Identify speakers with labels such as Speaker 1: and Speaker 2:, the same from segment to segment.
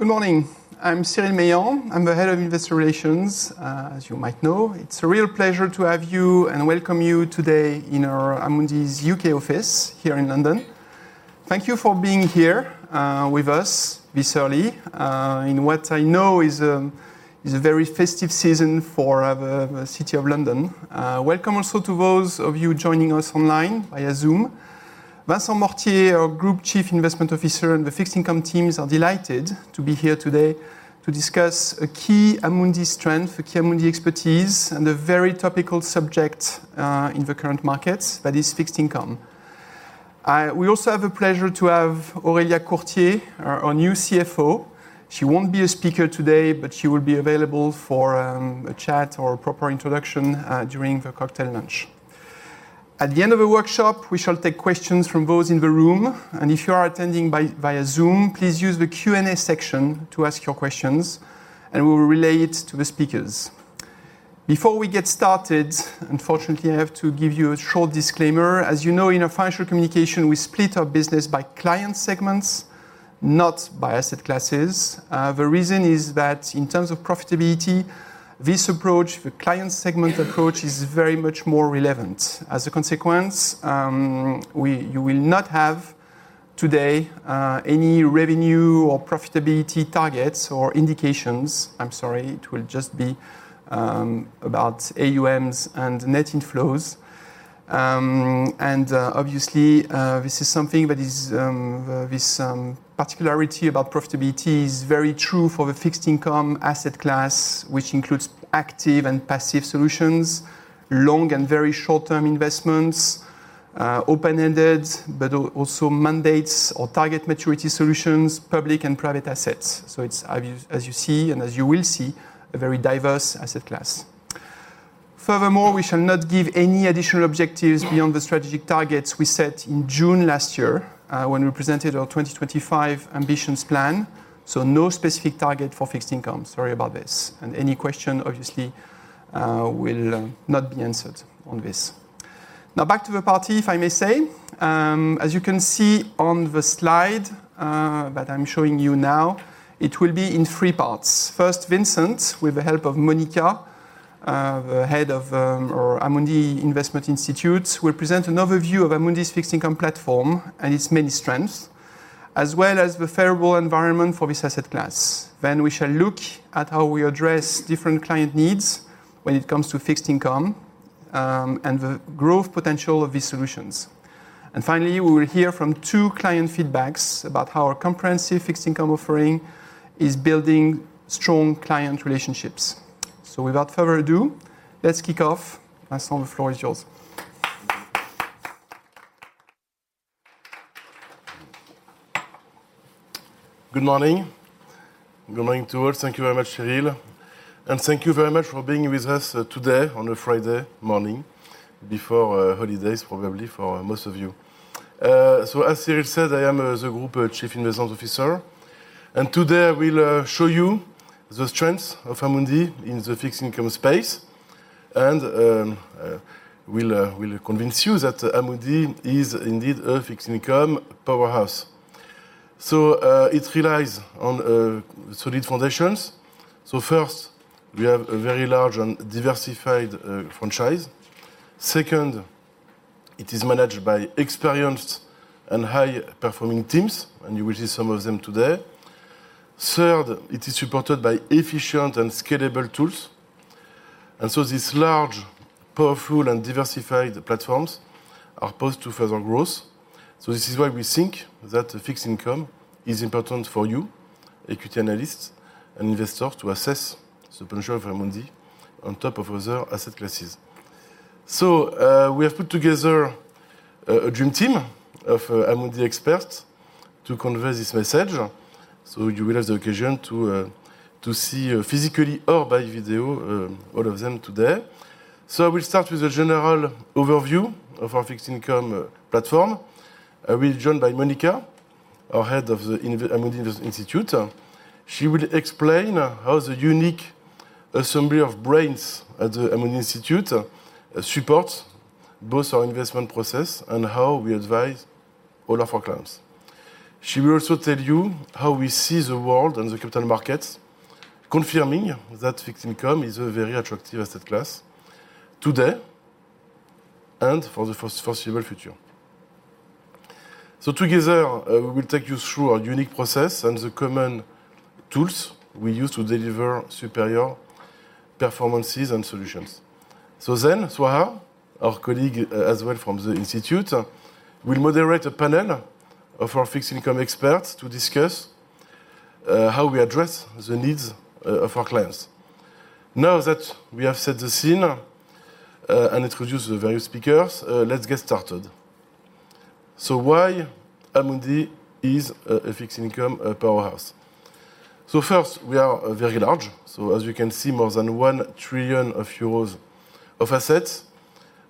Speaker 1: Good morning. I'm Cyril Meilland. I'm the Head of Investor Relations, as you might know. It's a real pleasure to have you and welcome you today in our Amundi's U.K. office here in London. Thank you for being here with us this early in what I know is a very festive season for the city of London. Welcome also to those of you joining us online via Zoom. Vincent Mortier, our Group Chief Investment Officer, and the fixed income teams are delighted to be here today to discuss a key Amundi strength, a key Amundi expertise, and a very topical subject in the current markets, that is fixed income. We also have a pleasure to have Aurélia Lecourtier, our new CFO. She won't be a speaker today, but she will be available for a chat or a proper introduction during the cocktail lunch. At the end of the workshop, we shall take questions from those in the room, and if you are attending via Zoom, please use the Q&A section to ask your questions, and we will relay it to the speakers. Before we get started, unfortunately, I have to give you a short disclaimer. As you know, in our financial communication, we split our business by client segments, not by asset classes. The reason is that in terms of profitability, this approach, the client segment approach, is very much more relevant. As a consequence, you will not have, today, any revenue or profitability targets or indications. I'm sorry, it will just be about AUMs and net inflows. Obviously, this particularity about profitability is very true for the fixed income asset class, which includes active and passive solutions, long- and very short-term investments, open-ended but also mandates or target maturity solutions, public and private assets. So it's, as you see, and as you will see, a very diverse asset class. Furthermore, we shall not give any additional objectives beyond the strategic targets we set in June last year, when we presented our 2025 ambitions plan. So no specific target for fixed income. Sorry about this, and any question, obviously, will not be answered on this. Now, back to the party, if I may say. As you can see on the slide that I'm showing you now, it will be in three parts. First, Vincent, with the help of Monica, the head of our Amundi Investment Institute, will present an overview of Amundi's fixed income platform and its many strengths, as well as the favorable environment for this asset class. Then, we shall look at how we address different client needs when it comes to fixed income, and the growth potential of these solutions. And finally, we will hear from two client feedbacks about how our comprehensive fixed income offering is building strong client relationships. So without further ado, let's kick off. Vincent, the floor is yours.
Speaker 2: Good morning. Good morning to all. Thank you very much, Cyril, and thank you very much for being with us today, on a Friday morning, before holidays, probably for most of you. So as Cyril said, I am the Group Chief Investment Officer, and today I will show you the strengths of Amundi in the fixed income space, and will convince you that Amundi is indeed a fixed income powerhouse. So it relies on solid foundations. So first, we have a very large and diversified franchise. Second, it is managed by experienced and high-performing teams, and you will see some of them today. Third, it is supported by efficient and scalable tools. And so these large, powerful, and diversified platforms are poised to further growth. So this is why we think that fixed income is important for you, equity analysts and investors, to assess the potential of Amundi on top of other asset classes. So, we have put together a dream team of Amundi experts to convey this message. So you will have the occasion to see, physically or by video, all of them today. So we'll start with a general overview of our fixed income platform. I will be joined by Monica, our head of the Amundi Investment Institute. She will explain how the unique assembly of brains at the Amundi Investment Institute supports both our investment process and how we advise all of our clients. She will also tell you how we see the world and the capital markets, confirming that fixed income is a very attractive asset class today and for the foreseeable future. So together, we will take you through our unique process and the common tools we use to deliver superior performances and solutions. So then, Swaha, our colleague, as well from the institute, will moderate a panel of our fixed income experts to discuss, how we address the needs, of our clients. Now that we have set the scene, and introduced the various speakers, let's get started. So why Amundi is a, a fixed income, powerhouse? So first, we are very large, so as you can see, more than 1 trillion euros of assets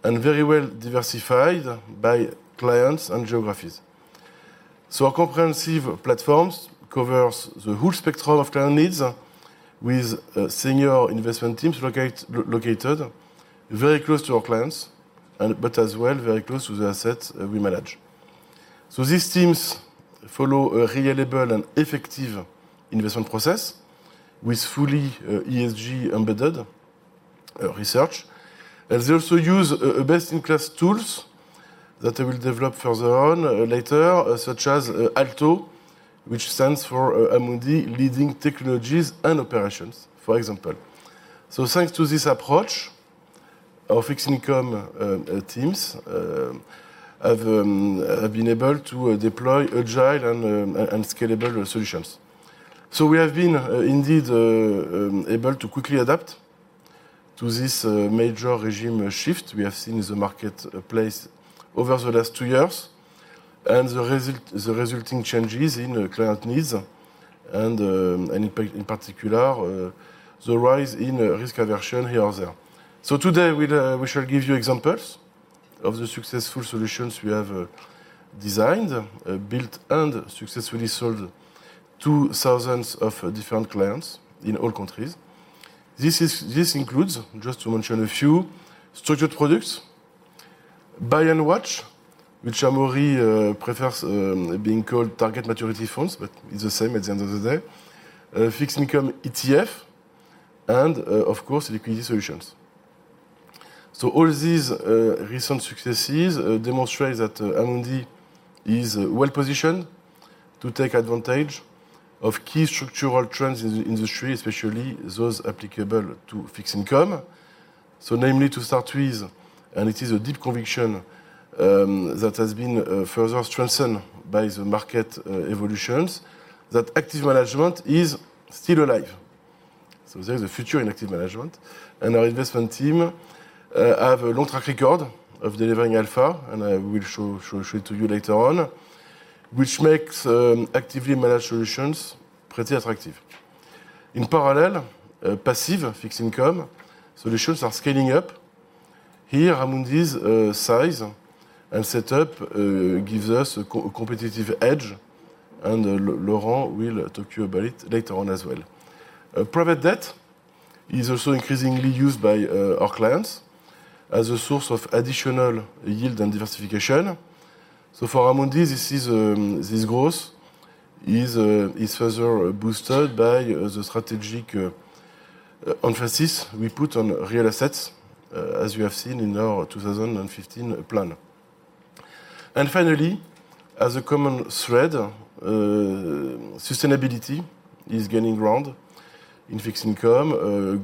Speaker 2: and very well diversified by clients and geographies. So our comprehensive platforms covers the whole spectrum of client needs with, senior investment teams located very close to our clients, and but as well, very close to the assets, we manage. So these teams follow a reliable and effective investment process with fully ESG-embedded research. And they also use a best-in-class tools that I will develop further on later, such as ALTO, which stands for Amundi Leading Technologies and Operations, for example. So thanks to this approach, our fixed income teams have been able to deploy agile and scalable solutions. So we have been indeed able to quickly adapt to this major regime shift we have seen in the marketplace over the last two years, and the resulting changes in the client needs, and in particular, the rise in risk aversion here or there. So today, we'd, we shall give you examples of the successful solutions we have, designed, built, and successfully solved 2,000 of different clients in all countries. This includes, just to mention a few, structured products, Buy & Watch, which Amaury prefers, being called Target Maturity Funds, but it's the same at the end of the day. Fixed income ETF, and, of course, liquidity solutions. So all these, recent successes demonstrate that Amundi is well-positioned to take advantage of key structural trends in the industry, especially those applicable to fixed income. So namely, to start with, and it is a deep conviction, that has been, further strengthened by the market, evolutions, that active management is still alive. So there's a future in active management, and our investment team have a long track record of delivering Alpha, and I will show it to you later on, which makes actively managed solutions pretty attractive. In parallel, passive fixed income solutions are scaling up. Here, Amundi's size and set-up gives us a competitive edge, and Laurent will talk to you about it later on as well. Private debt is also increasingly used by our clients as a source of additional yield and diversification. So for Amundi, this growth is further boosted by the strategic emphasis we put on real assets, as you have seen in our 2015 plan. And finally, as a common thread, sustainability is gaining ground in fixed income.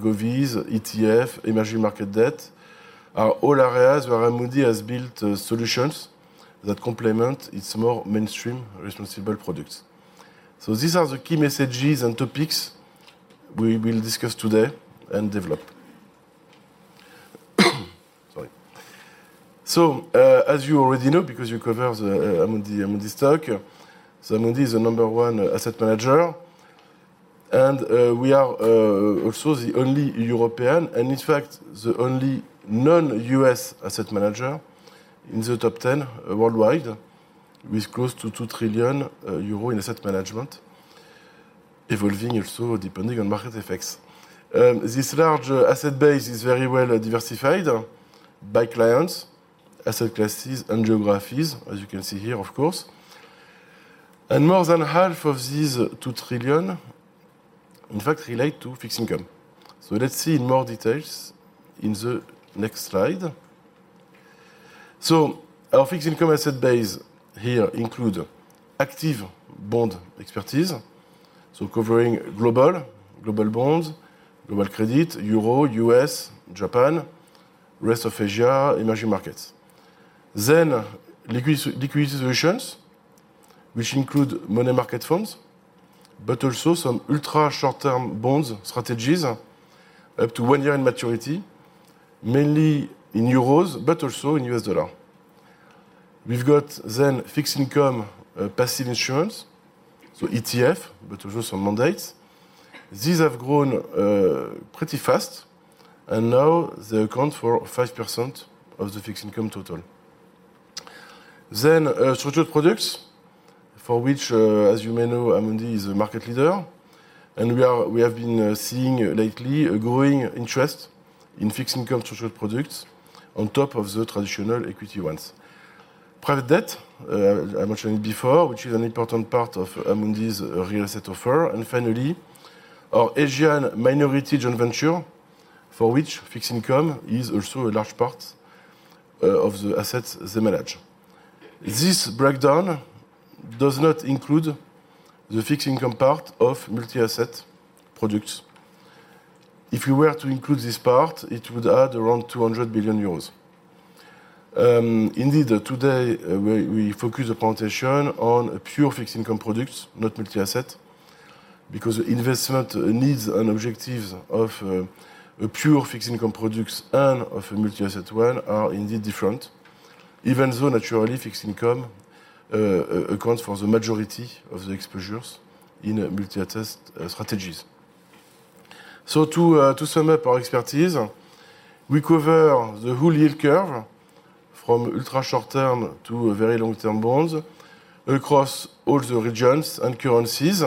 Speaker 2: Govies, ETF, emerging market debt, are all areas where Amundi has built solutions that complement its more mainstream, responsible products. So these are the key messages and topics we will discuss today and develop. So, as you already know, because you cover the Amundi, Amundi stock, so Amundi is the number one asset manager, and, we are, also the only European, and in fact, the only non-U.S. asset manager in the top 10 worldwide, with close to 2 trillion euro in asset management, evolving also depending on market effects. This large asset base is very well diversified by clients, asset classes, and geographies, as you can see here, of course. And more than 1/2 of these 2 trillion, in fact, relate to fixed income. So let's see in more details in the next slide. So our fixed income asset base here includes active bond expertise, so covering global, global bonds, global credit, Euro, U.S., Japan, rest of Asia, emerging markets. Then liquidity solutions, which include money market funds, but also some ultra-short-term bond strategies, up to one year in maturity, mainly in euros, but also in U.S. dollar. We've got then fixed income passive insurance, so ETF, but also some mandates. These have grown pretty fast, and now they account for 5% of the fixed income total. Then structured products, for which, as you may know, Amundi is a market leader, and we have been seeing lately a growing interest in fixed income structured products on top of the traditional equity ones. Private debt, I mentioned before, which is an important part of Amundi's real asset offer. And finally, our Asian minority joint venture, for which fixed income is also a large part of the assets they manage. This breakdown does not include the fixed income part of multi-asset products. If you were to include this part, it would add around 200 billion euros. Indeed, today, we focus the presentation on pure fixed income products, not multi-asset, because investment needs and objectives of a pure fixed income products and of a multi-asset one are indeed different, even though naturally fixed income accounts for the majority of the exposures in a multi-asset strategies. So to sum up our expertise, we cover the whole yield curve from ultra short-term to very long-term bonds, across all the regions and currencies,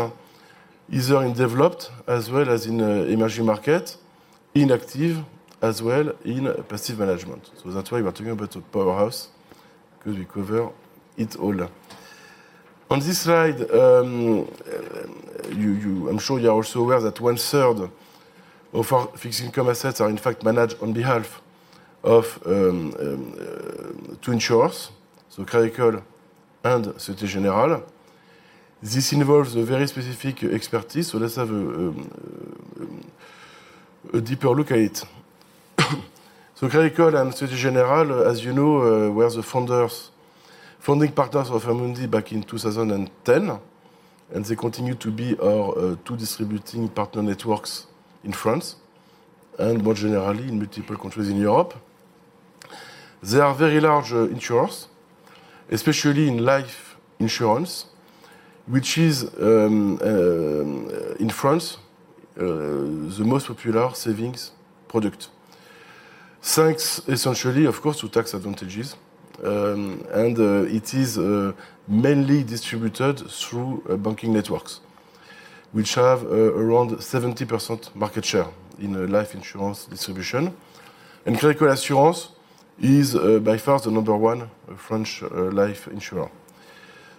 Speaker 2: either in developed as well as in emerging market, active as well in passive management. So that's why we're talking about a powerhouse, because we cover it all. On this slide, I'm sure you are also aware that one third of our fixed income assets are in fact managed on behalf of to insurers, so Crédit Agricole and Société Générale. This involves a very specific expertise, so let's have a deeper look at it. So Crédit Agricole and Société Générale, as you know, were the founders, founding partners of Amundi back in 2010, and they continue to be our two distributing partner networks in France, and more generally, in multiple countries in Europe. They are very large insurers, especially in life insurance, which is in France the most popular savings product. Thanks, essentially, of course, to tax advantages, and it is mainly distributed through banking networks, which have around 70% market share in the life insurance distribution. And Crédit Agricole Assurances is by far the number one French life insurer.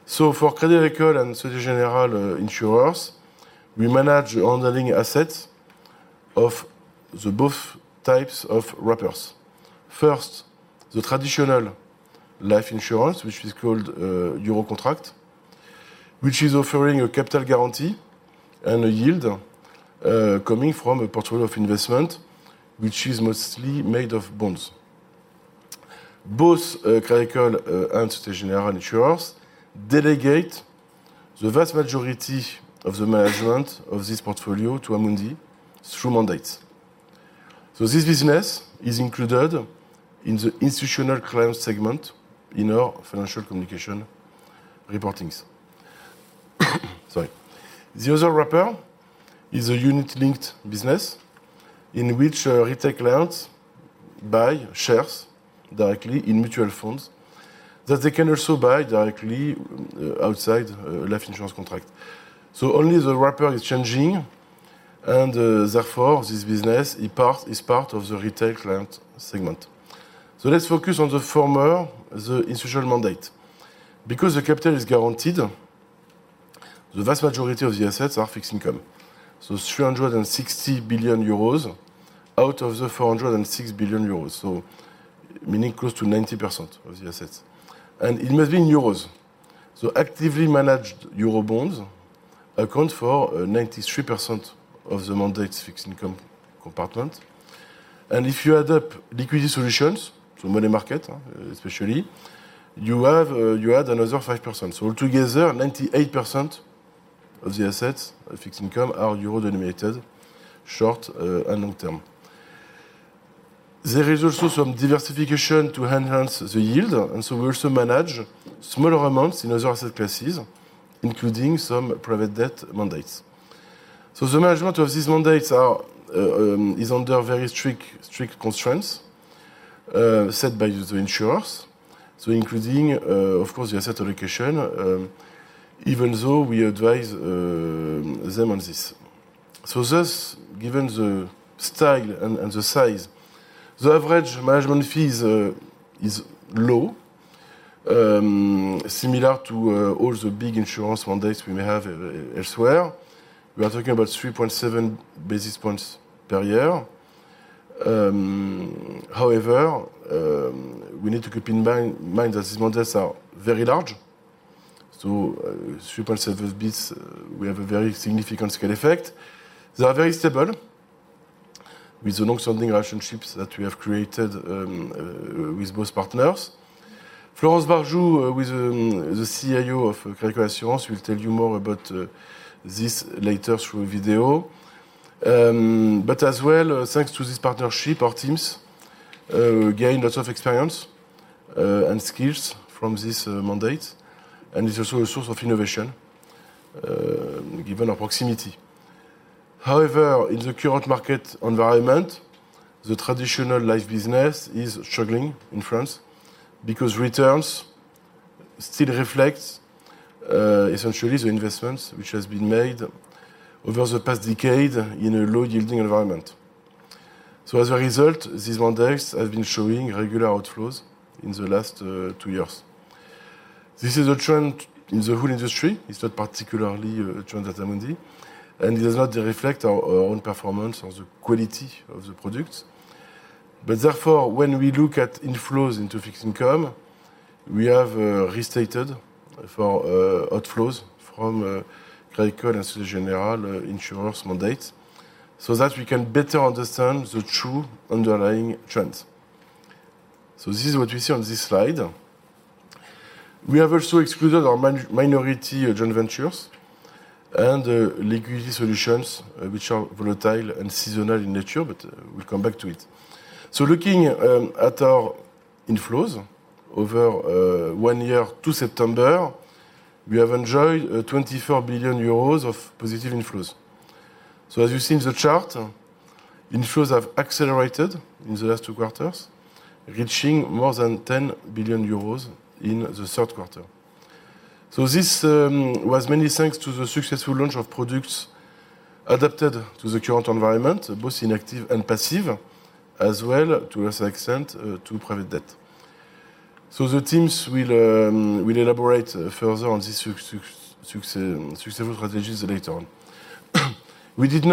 Speaker 2: So for Crédit Agricole and Société Générale insurers, we manage the underlying assets of both types of wrappers. First, the traditional life insurance, which is called Euro Contract, which is offering a capital guarantee and a yield coming from a portfolio of investment, which is mostly made of bonds. Both Crédit Agricole and Société Générale Insurers delegate the vast majority of the management of this portfolio to Amundi through mandates. So this business is included in the institutional client segment in our financial communication reportings. Sorry. The other wrapper is a unit-linked business, in which, retail clients buy shares directly in mutual funds, that they can also buy directly outside a life insurance contract. So only the wrapper is changing, and, therefore, this business is part of the retail client segment. So let's focus on the former, the institutional mandate. Because the capital is guaranteed, the vast majority of the assets are fixed income. So 360 billion euros out of the 406 billion euros, so meaning close to 90% of the assets. And it must be in euros. So actively managed euro bonds account for 93% of the mandate's fixed income compartment. And if you add up liquidity solutions, so money market, especially, you add another 5%. So altogether, 98% of the assets of fixed income are euro-denominated, short, and long term. There is also some diversification to enhance the yield, and so we also manage smaller amounts in other asset classes, including some private debt mandates. The management of these mandates is under very strict constraints set by the insurers. Including, of course, the asset allocation, even though we advise them on this. Thus, given the style and the size, the average management fees is low, similar to all the big insurance mandates we may have elsewhere. We are talking about 3.7 basis points per year. However, we need to keep in mind that these mandates are very large, so 3.7 base, we have a very significant scale effect. They are very stable with the long-standing relationships that we have created with both partners. Florence Barjou, the CIO of Crédit Agricole Assurances, will tell you more about this later through video. But as well, thanks to this partnership, our teams gain lots of experience and skills from this mandate, and it's also a source of innovation given our proximity. However, in the current market environment, the traditional life business is struggling in France, because returns still reflect essentially the investments which has been made over the past decade in a low-yielding environment. So as a result, these mandates have been showing regular outflows in the last two years. This is a trend in the whole industry. It's not particularly a trend at Amundi, and it does not reflect our own performance or the quality of the product. Therefore, when we look at inflows into fixed income, we have restated for outflows from Crédit Agricole and Société Générale insurance mandates, so that we can better understand the true underlying trends. This is what we see on this slide. We have also excluded our minority joint ventures and liquidity solutions, which are volatile and seasonal in nature, but we'll come back to it. Looking at our inflows over one year to September, we have enjoyed 24 billion euros of positive inflows. As you see in the chart, inflows have accelerated in the last two quarters, reaching more than 10 billion euros in the third quarter. This was many thanks to the successful launch of products adapted to the current environment, both in active and passive, as well to a certain extent to private debt. So the teams will elaborate further on this success strategies later on. We have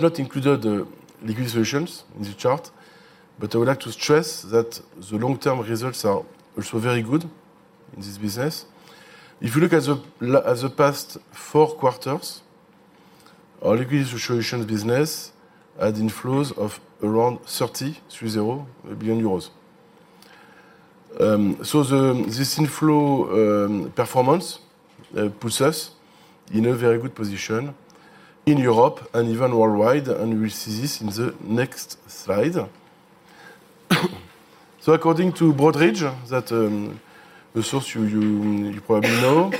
Speaker 2: not included the liquid solutions in the chart, but I would like to stress that the long-term results are also very good in this business. If you look at the past four quarters, our liquid solutions business had inflows of around 33 billion euros. So this inflow performance puts us in a very good position in Europe and even worldwide, and we see this in the next slide. So according to Broadridge, the source you probably know,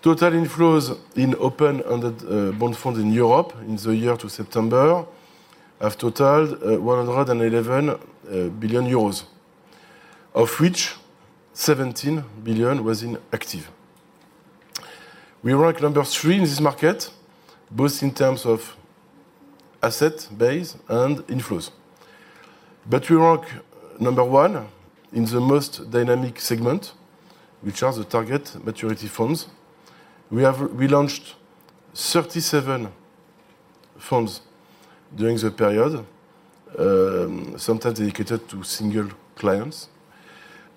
Speaker 2: total inflows in open-end bond funds in Europe in the year to September have totaled 111 billion euros, of which 17 billion was in active. We rank three in this market, both in terms of asset base and inflows. But we rank one in the most dynamic segment, which are the Target Maturity Funds. We launched 37 funds during the period, sometimes dedicated to single clients,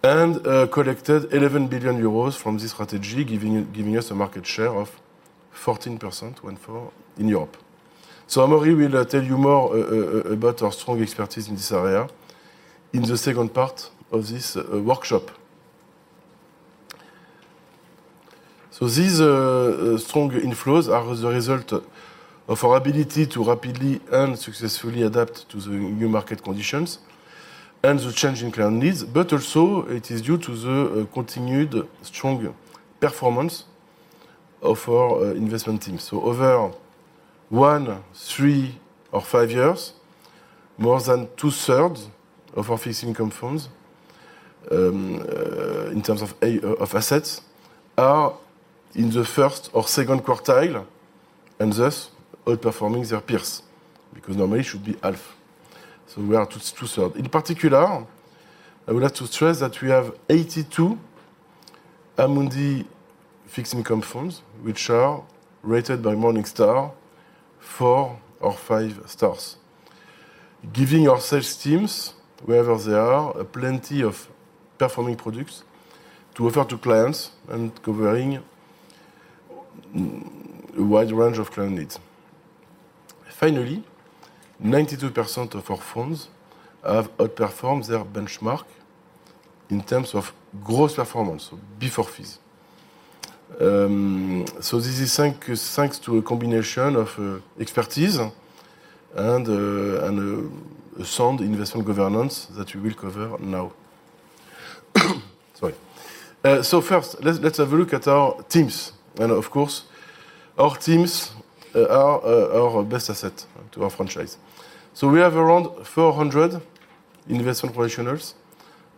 Speaker 2: and collected 11 billion euros from this strategy, giving us a market share of 14%, in Europe. So Amaury will tell you more about our strong expertise in this area in the second part of this workshop. These strong inflows are as a result of our ability to rapidly and successfully adapt to the new market conditions and the changing client needs, but also it is due to the continued strong performance of our investment team. So over one, three or five years, more than 2/3 of our fixed income funds in terms of assets are in the first or second quartile, and thus outperforming their peers, because normally it should be half. So we are 2/3. In particular, I would like to stress that we have 82 Amundi fixed income funds, which are rated by Morningstar four or five stars, giving our sales teams, wherever they are, plenty of performing products to offer to clients and covering a wide range of client needs. Finally, 92% of our funds have outperformed their benchmark in terms of gross performance, so before fees. So this is thanks to a combination of expertise and sound investment governance that we will cover now. Sorry. So first, let's have a look at our teams. Of course, our teams are our best asset to our franchise. So we have around 400 investment professionals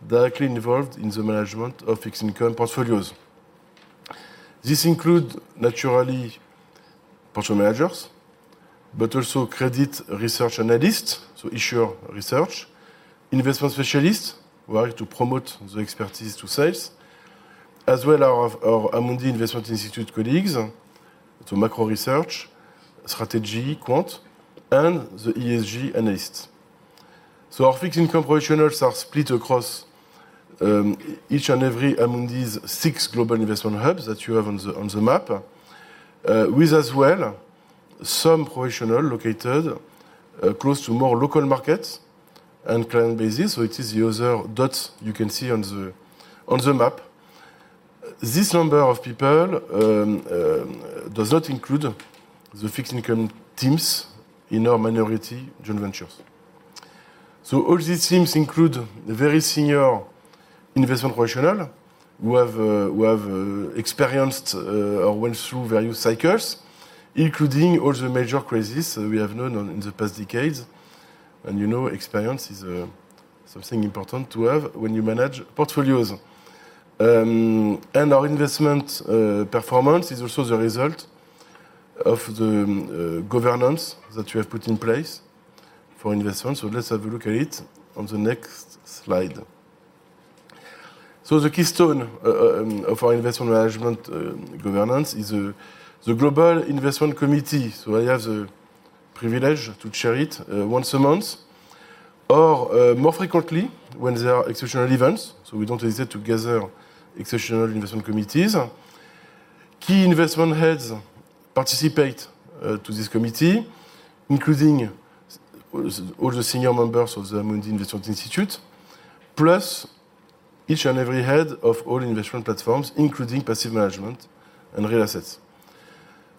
Speaker 2: directly involved in the management of fixed income portfolios. This includes, naturally, portfolio managers, but also credit research analysts, so issuer research, investment specialists, who are to promote the expertise to sales, as well as our Amundi Investment Institute colleagues, to macro research, strategy, quant, and the ESG analysts. So our fixed income professionals are split across each and every Amundi's six global investment hubs that you have on the map, with as well some professionals located close to more local markets and client bases. So it is the other dots you can see on the map. This number of people does not include the fixed income teams in our minority joint ventures. So all these teams include very senior investment professional, who have, who have, experienced, or went through various cycles, including all the major crises we have known in the past decades. And, you know, experience is, something important to have when you manage portfolios. And our investment, performance is also the result of the, governance that we have put in place for investment. So let's have a look at it on the next slide. So the keystone, of our investment management, governance is, the Global Investment Committee. So I have the privilege to chair it, once a month, or, more frequently when there are exceptional events. So we don't hesitate to gather exceptional investment committees. Key investment heads participate to this committee, including all the senior members of the Amundi Investment Institute, plus each and every head of all investment platforms, including passive management and real assets.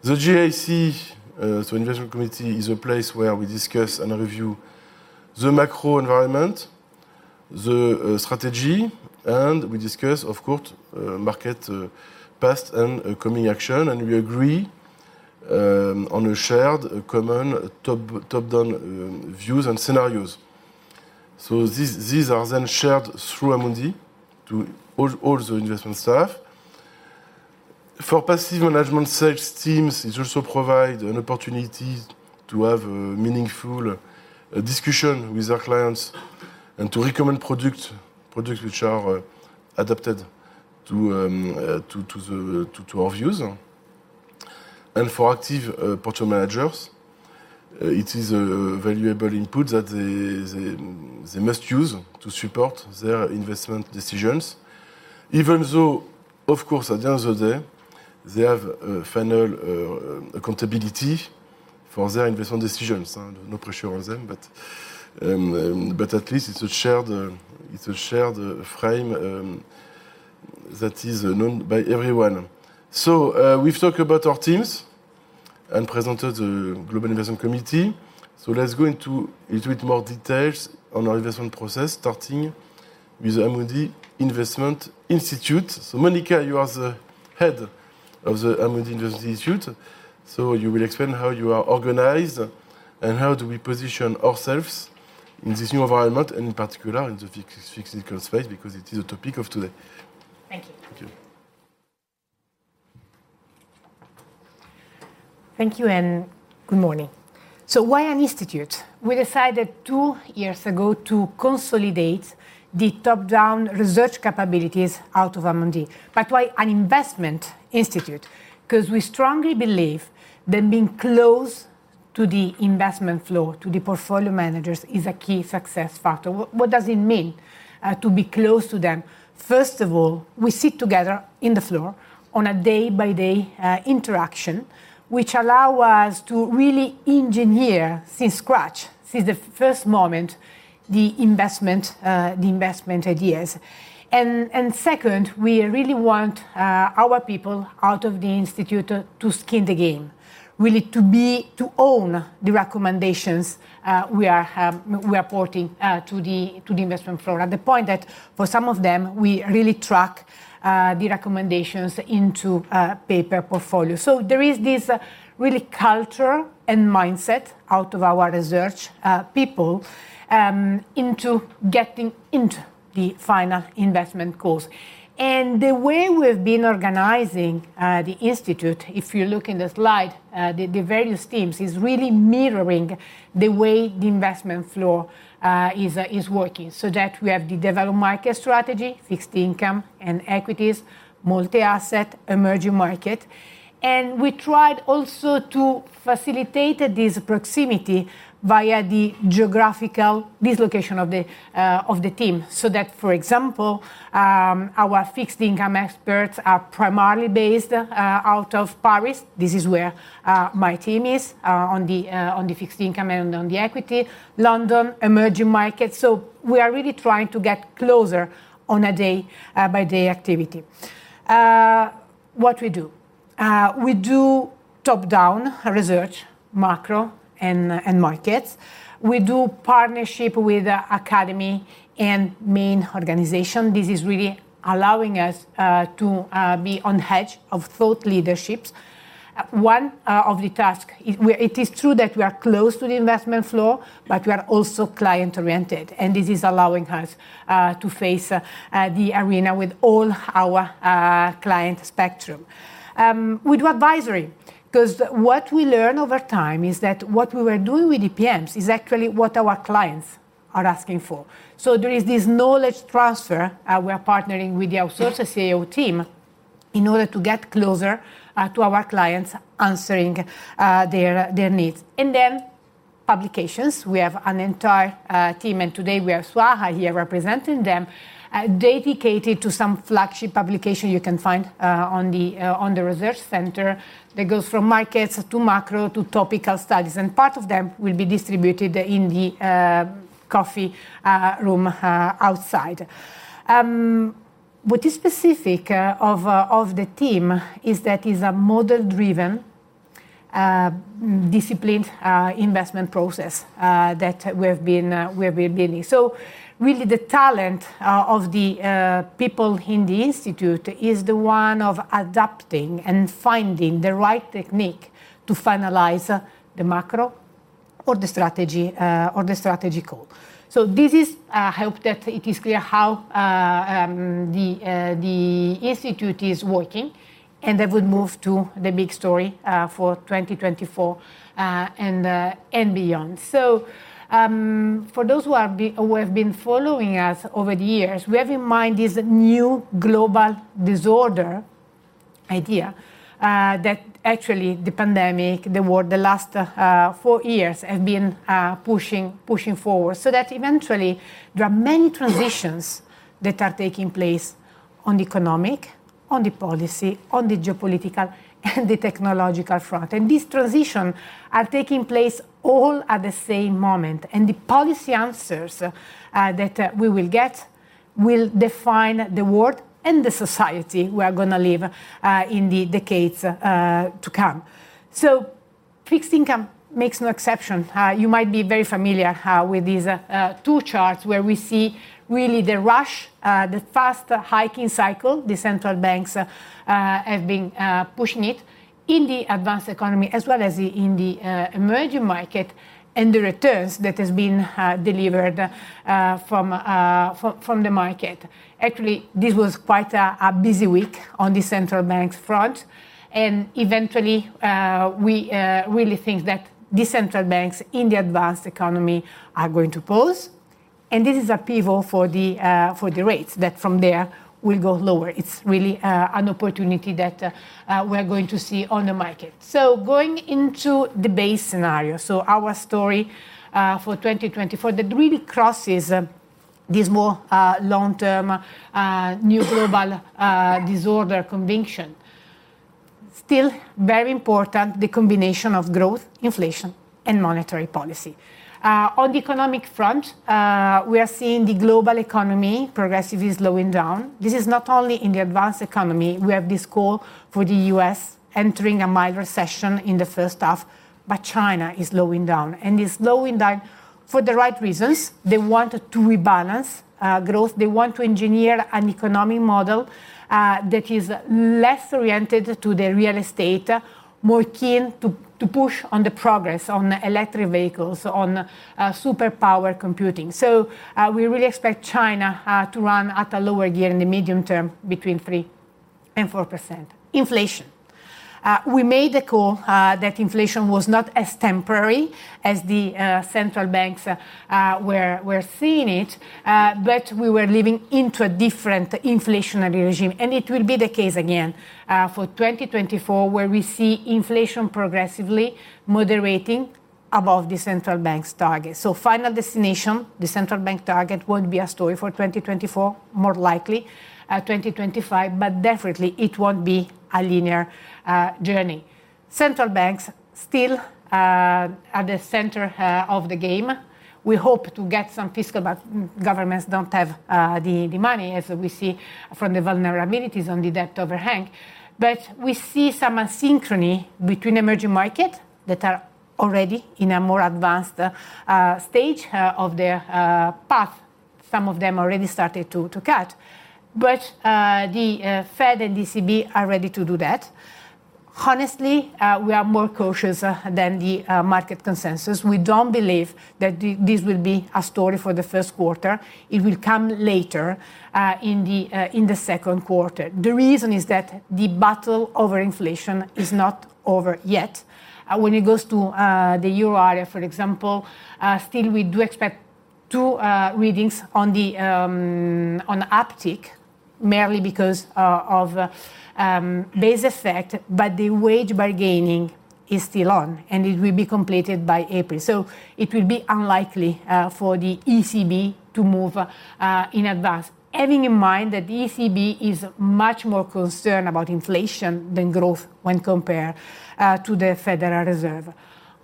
Speaker 2: The GIC, so Investment Committee, is a place where we discuss and review the macro environment, the strategy, and we discuss, of course, market past and coming action, and we agree on a shared, common, top-down views and scenarios. So these are then shared through Amundi to all the investment staff. For passive management sales teams, it also provide an opportunity to have a meaningful discussion with our clients and to recommend products which are adapted to our views. For active portfolio managers, it is a valuable input that they must use to support their investment decisions. Even so, of course, at the end of the day, they have a final accountability for their investment decisions. No pressure on them, but at least it's a shared frame that is known by everyone. We've talked about our teams and presented the Global Investment Committee, so let's go into a little bit more details on our investment process, starting with Amundi Investment Institute. Monica, you are the head of the Amundi Institute, so you will explain how you are organized, and how do we position ourselves in this new environment, and in particular, in the fixed income space, because it is a topic of today.
Speaker 3: Thank you.
Speaker 2: Thank you.
Speaker 3: Thank you, and good morning. So why an institute? We decided two years ago to consolidate the top-down research capabilities out of Amundi. But why an investment institute? 'Cause we strongly believe that being close to the investment floor, to the portfolio managers, is a key success factor. What does it mean to be close to them? First of all, we sit together on the floor on a day-by-day interaction, which allow us to really engineer from scratch, from the first moment, the investment ideas. And second, we really want our people out of the institute to have skin in the game, really to own the recommendations we are putting to the investment floor. And the point that, for some of them, we really track the recommendations into a paper portfolio. So there is this really culture and mindset out of our research people into getting into the final investment process. And the way we've been organizing the institute, if you look in the slide, the various teams, is really mirroring the way the investment floor is working, so that we have the developed markets strategy, fixed income and equities, multi-asset, emerging markets. And we tried also to facilitate this proximity via the geographical dispersion of the team, so that, for example, our fixed income experts are primarily based out of Paris. This is where my team is on the fixed income and on the equities. London, emerging markets, so we are really trying to get closer on a day-by-day activity. What we do? We do top-down research, macro and markets. We do partnership with the academy and main organization. This is really allowing us to be on hedge of thought leaderships. One of the task, it is true that we are close to the investment floor, but we are also client-oriented, and this is allowing us to face the arena with all our client spectrum. We do advisory, 'cause what we learn over time is that what we were doing with EPMs is actually what our clients are asking for. So there is this knowledge transfer, we are partnering with the outsourced CIO team in order to get closer to our clients, answering their needs. And then publications, we have an entire team, and today we have Swaha here representing them, dedicated to some flagship publication you can find on the research center. That goes from markets to macro to topical studies, and part of them will be distributed in the coffee room outside. What is specific of the team is that it is a model-driven, disciplined investment process that we have been building. So really the talent of the people in the institute is the one of adapting and finding the right technique to finalize the macro or the strategy or the strategy call. So this is, I hope that it is clear how the institute is working, and I would move to the big story for 2024 and beyond. So, for those who have been following us over the years, we have in mind this new global disorder idea, that actually the pandemic, the war, the last four years have been pushing forward. So that eventually there are many transitions that are taking place on the economic, on the policy, on the geopolitical, and the technological front. And these transitions are taking place all at the same moment, and the policy answers that we will get will define the world and the society we are gonna live in the decades to come. So fixed income makes no exception. You might be very familiar how with these two charts where we see really the rush, the faster hiking cycle the central banks have been pushing it in the advanced economy, as well as in the emerging market, and the returns that has been delivered from the market. Actually, this was quite a busy week on the central bank front, and eventually we really think that the central banks in the advanced economy are going to pause, and this is a pivot for the rates that from there will go lower. It's really an opportunity that we're going to see on the market. So going into the base scenario, so our story, for 2024, that really crosses, this more, long-term, new global, disorder conviction. Still very important, the combination of growth, inflation, and monetary policy. On the economic front, we are seeing the global economy progressively slowing down. This is not only in the advanced economy. We have this call for the U.S. entering a mild recession in the first half, but China is slowing down, and it's slowing down for the right reasons. They want to rebalance, growth. They want to engineer an economic model, that is less oriented to the real estate, more keen to, to push on the progress on electric vehicles, on, superpower computing. So, we really expect China, to run at a lower gear in the medium term, between 3%-4%. Inflation. We made the call that inflation was not as temporary as the central banks were seeing it, but we were leading into a different inflationary regime, and it will be the case again for 2024, where we see inflation progressively moderating above the central bank's target. So final destination, the central bank target, won't be a story for 2024, more likely 2025, but definitely it won't be a linear journey. Central banks still at the center of the game. We hope to get some fiscal, but governments don't have the money, as we see from the vulnerabilities on the debt overhang. But we see some asynchrony between emerging market that are already in a more advanced stage of their path. Some of them already started to cut. But the Fed and ECB are ready to do that. Honestly, we are more cautious than the market consensus. We don't believe that this will be a story for the first quarter. It will come later in the second quarter. The reason is that the battle over inflation is not over yet. When it goes to the Euro area, for example, still we do expect two readings on the uptick, mainly because of base effect, but the wage bargaining is still on, and it will be completed by April. So it will be unlikely for the ECB to move in advance, having in mind that the ECB is much more concerned about inflation than growth when compared to the Federal Reserve.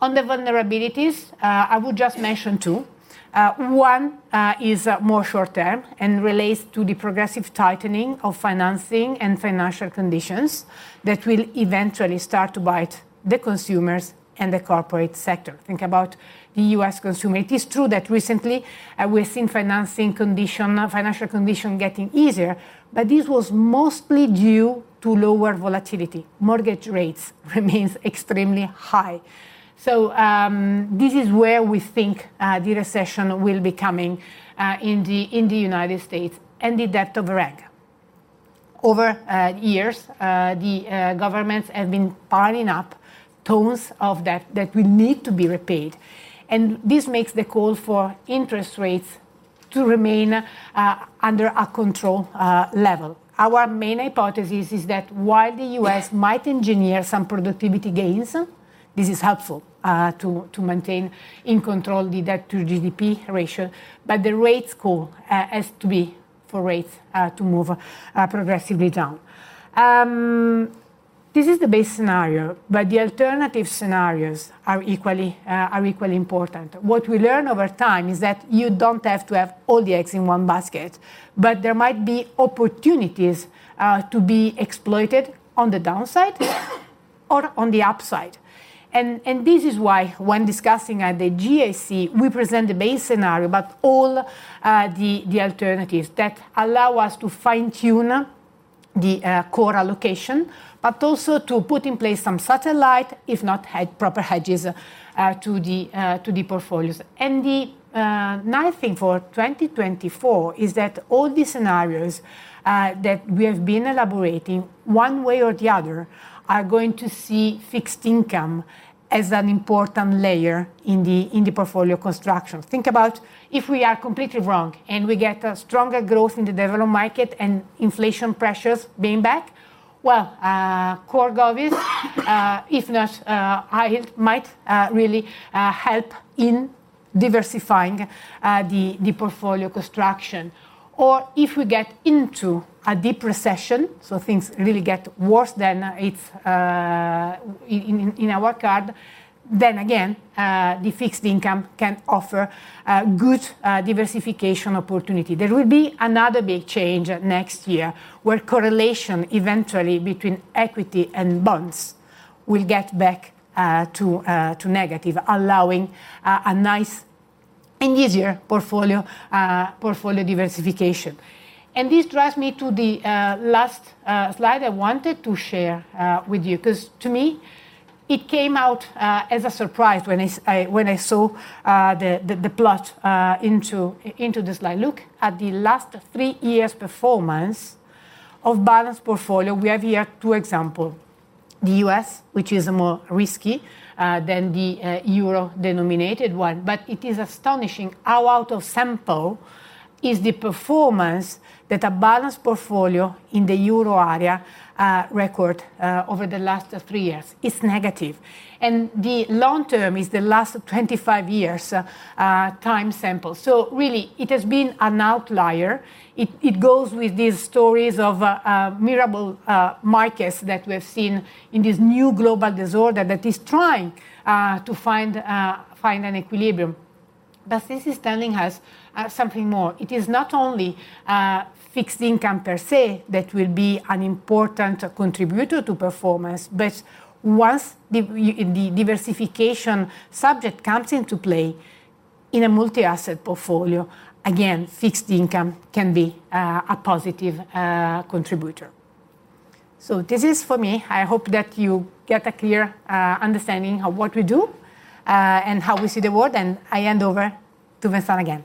Speaker 3: On the vulnerabilities, I would just mention two. One is more short term and relates to the progressive tightening of financing and financial conditions that will eventually start to bite the consumers and the corporate sector. Think about the U.S. consumer. It is true that recently, we've seen financing condition, financial condition getting easier, but this was mostly due to lower volatility. Mortgage rates remains extremely high. So, this is where we think the recession will be coming in the United States and the debt overhang. Over years, the governments have been piling up tons of debt that will need to be repaid, and this makes the call for interest rates to remain under a control level. Our main hypothesis is that while the U.S. might engineer some productivity gains, this is helpful to maintain in control the debt to GDP ratio, but the rates call has to be for rates to move progressively down. This is the base scenario, but the alternative scenarios are equally important. What we learn over time is that you don't have to have all the eggs in one basket, but there might be opportunities to be exploited on the downside or on the upside. And this is why when discussing at the GAC, we present the base scenario, but all the alternatives that allow us to fine-tune the core allocation, but also to put in place some satellite, if not proper hedges to the portfolios. The nice thing for 2024 is that all the scenarios that we have been elaborating, one way or the other, are going to see fixed income as an important layer in the portfolio construction. Think about if we are completely wrong and we get a stronger growth in the developed market and inflation pressures being back. Well, core Govies, if not, it might really help in diversifying the portfolio construction. Or if we get into a deep recession, so things really get worse than it's in our worst case, then again, the fixed income can offer a good diversification opportunity. There will be another big change next year, where correlation eventually between equity and bonds will get back to negative, allowing a nice and easier portfolio diversification. This drives me to the last slide I wanted to share with you, 'cause to me, it came out as a surprise when I saw the plot into this slide. Look at the last three years' performance of balanced portfolio. We have here two example, the U.S., which is more risky than the euro-denominated one. But it is astonishing how out of sample is the performance that a balanced portfolio in the euro area record over the last three years is negative. The long term is the last 25 years time sample. So really, it has been an outlier. It goes with these stories of miracle markets that we have seen in this new global disorder that is trying to find an equilibrium. But this is telling us something more. It is not only fixed income per se that will be an important contributor to performance, but once the diversification subject comes into play in a multi-asset portfolio, again, fixed income can be a positive contributor. So this is for me. I hope that you get a clear understanding of what we do and how we see the world, and I hand over to Vincent again.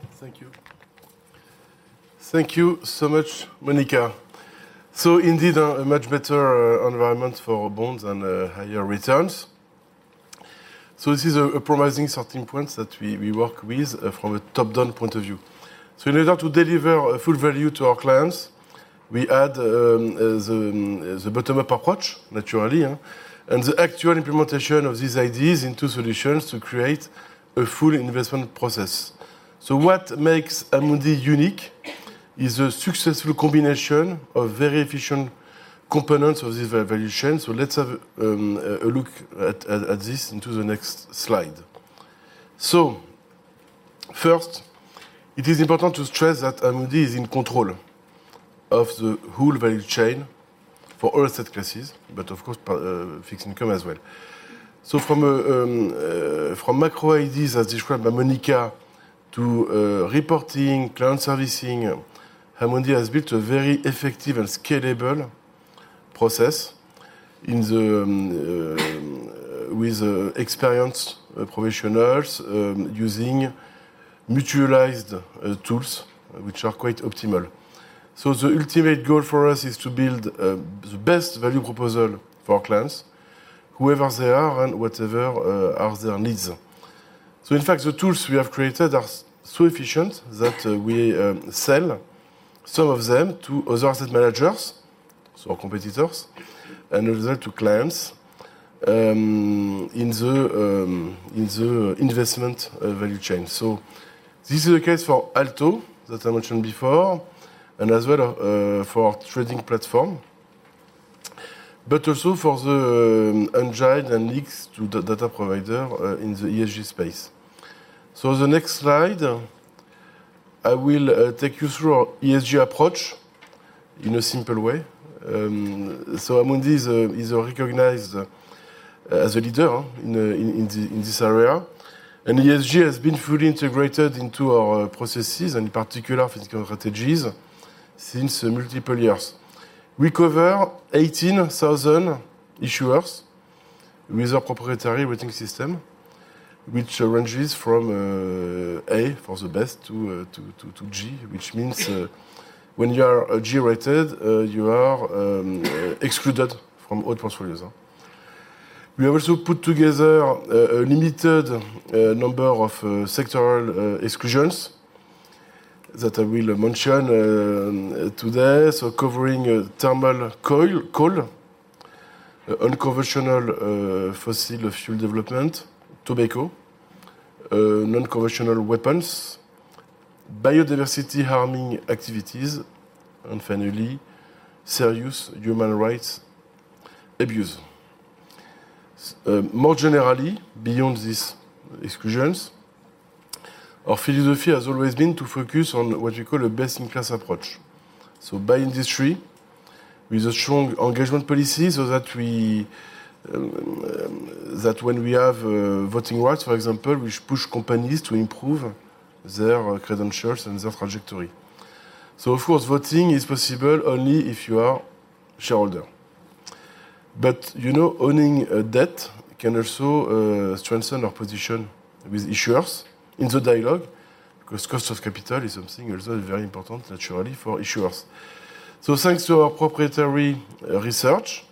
Speaker 2: Thank you. Thank you so much, Monica. So indeed, a much better environment for bonds and higher returns. So this is a promising starting point that we work with from a top-down point of view. So in order to deliver a full value to our clients, we add the bottom-up approach, naturally, and the actual implementation of these ideas into solutions to create a full investment process. So what makes Amundi unique is a successful combination of very efficient components of this value chain. So let's have a look at this into the next slide. So first, it is important to stress that Amundi is in control of the whole value chain for all asset classes, but of course, particularly fixed income as well. So from macro ideas, as described by Monica, to reporting, client servicing, Amundi has built a very effective and scalable process with experienced professionals using mutualized tools which are quite optimal. So the ultimate goal for us is to build the best value proposal for our clients, whoever they are and whatever are their needs. So in fact, the tools we have created are so efficient that we sell some of them to other asset managers, so our competitors, and also to clients in the investment value chain. So this is the case for ALTO, that I mentioned before, and as well for trading platform, but also for the Amundi Analytics to the data provider in the ESG space. So the next slide, I will take you through our ESG approach in a simple way. So Amundi is recognized as a leader in this area, and ESG has been fully integrated into our processes, and in particular, fixed income strategies, since multiple years. We cover 18,000 issuers with our proprietary rating system, which ranges from A for the best to G, which means when you are G-rated, you are excluded from all portfolios. We also put together a limited number of sectoral exclusions that I will mention today. So covering thermal coal, unconventional fossil fuel development, tobacco, non-conventional weapons, biodiversity-harming activities, and finally, serious human rights abuse. More generally, beyond these exclusions, our philosophy has always been to focus on what we call a best-in-class approach. So by industry, with a strong engagement policy, so that we, that when we have, voting rights, for example, which push companies to improve their credentials and their trajectory. So of course, voting is possible only if you are shareholder. But you know, owning a debt can also, strengthen our position with issuers in the dialogue, because cost of capital is something also very important, naturally, for issuers. So thanks to our proprietary research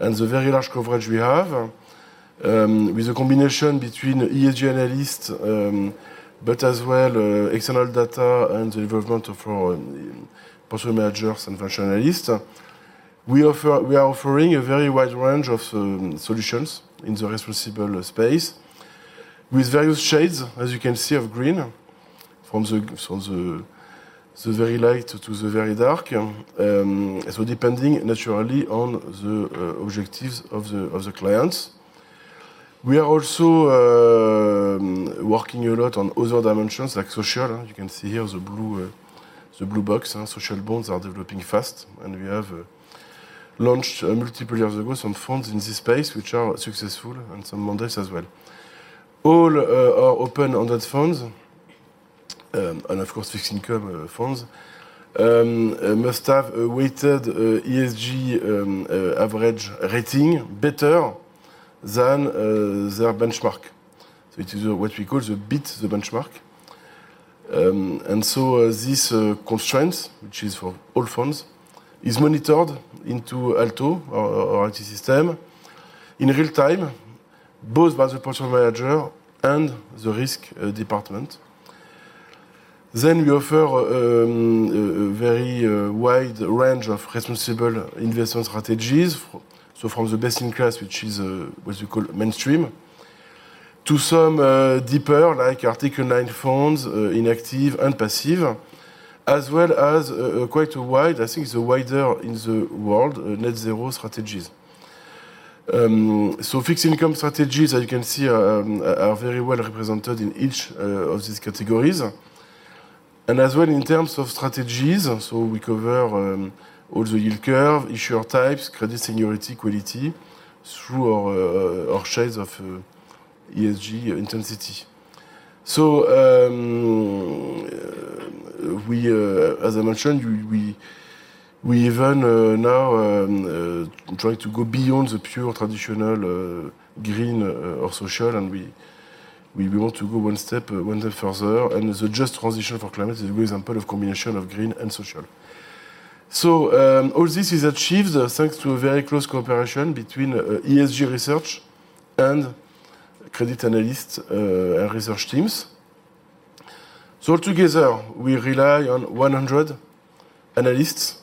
Speaker 2: and the very large coverage we have, with a combination between ESG analyst, but as well, external data and the development of our portfolio managers and functionalists-... We offer, we are offering a very wide range of solutions in the responsible space, with various shades, as you can see, of green, from the very light to the very dark. So depending naturally on the objectives of the clients. We are also working a lot on other dimensions, like social. You can see here the blue box, social bonds are developing fast, and we have launched multiple years ago, some funds in this space, which are successful, and some mandates as well. All are open on that funds, and of course, fixed income funds must have a weighted ESG average rating better than their benchmark. So it is what we call the beat the benchmark. And so, this constraint, which is for all funds, is monitored into ALTO, our IT system, in real time, both by the portfolio manager and the risk department. Then we offer a very wide range of responsible investment strategies. So from the best in class, which is what you call mainstream, to some deeper, like Article 9 funds, in active and passive, as well as quite a wide, I think the wider in the world, Net Zero strategies. So fixed income strategies, as you can see, are very well represented in each of these categories. And as well, in terms of strategies, so we cover all the yield curve, issuer types, credit seniority, quality, through our shades of ESG intensity. So, we... As I mentioned, we even now try to go beyond the pure traditional green or social, and we want to go one step further, and the just transition for climate is a good example of combination of green and social. So, all this is achieved thanks to a very close cooperation between ESG research and credit analyst research teams. So together, we rely on 100 analysts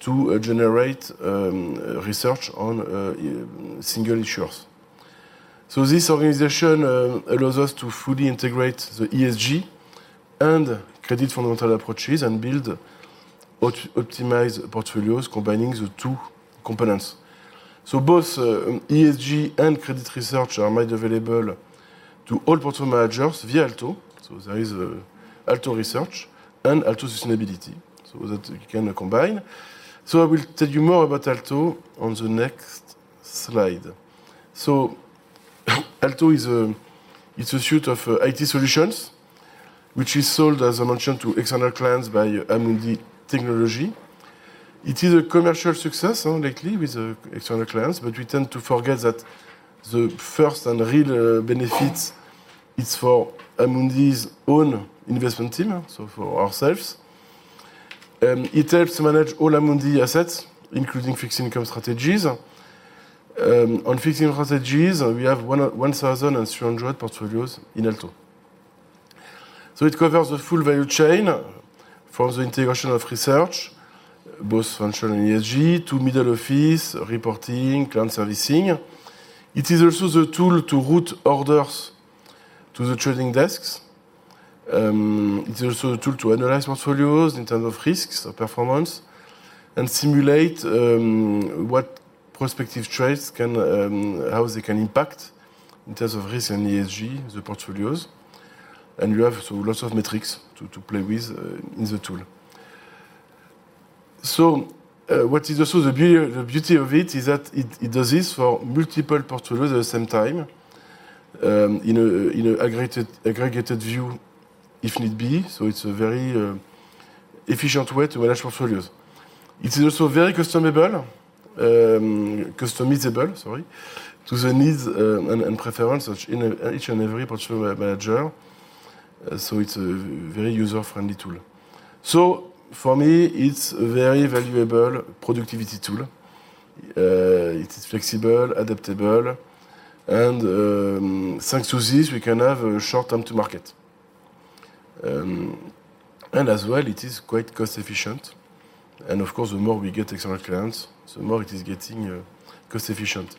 Speaker 2: to generate research on single issuers. So this organization allows us to fully integrate the ESG and credit fundamental approaches, and build optimized portfolios, combining the two components. So both ESG and credit research are made available to all portfolio managers via ALTO. So there is ALTO Research and ALTO Sustainability, so that you can combine. I will tell you more about ALTO on the next slide. ALTO is a suite of IT solutions, which is sold, as I mentioned, to external clients by Amundi Technology. It is a commercial success, lately, with the external clients, but we tend to forget that the first and real benefits is for Amundi's own investment team, so for ourselves. It helps to manage all Amundi assets, including fixed income strategies. On fixed income strategies, we have 1,300 portfolios in ALTO. It covers the full value chain for the integration of research, both functional and ESG, to middle office, reporting, client servicing. It is also the tool to route orders to the trading desks. It's also a tool to analyze portfolios in terms of risks or performance, and simulate what prospective trades can how they can impact, in terms of risk and ESG, the portfolios. And you have so lots of metrics to play with in the tool. So, what is also the beauty of it is that it does this for multiple portfolios at the same time, in a aggregated view, if need be. So it's a very efficient way to manage portfolios. It is also very customizable, sorry, to the needs and preference of each and every portfolio manager. So it's a very user-friendly tool. So for me, it's a very valuable productivity tool. It is flexible, adaptable, and thanks to this, we can have a short time to market. And as well, it is quite cost efficient. And of course, the more we get external clients, the more it is getting cost efficient.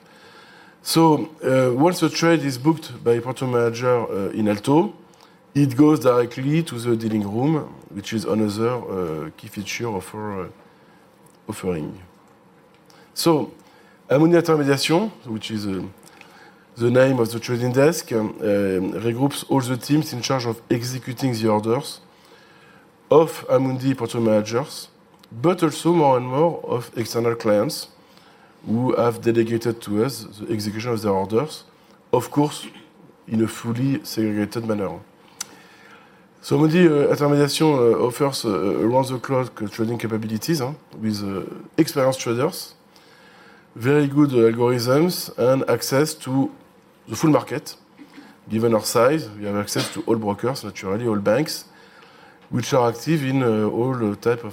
Speaker 2: So once a trade is booked by a portfolio manager in ALTO, it goes directly to the dealing room, which is another key feature offering. So Amundi Intermédiation, which is the name of the trading desk, regroups all the teams in charge of executing the orders of Amundi portfolio managers, but also more and more of external clients, who have dedicated to us the execution of their orders, of course, in a fully segregated manner. So Amundi Intermédiation offers around-the-clock trading capabilities with experienced traders, very good algorithms, and access to the full market. Given our size, we have access to all brokers, naturally, all banks, which are active in all types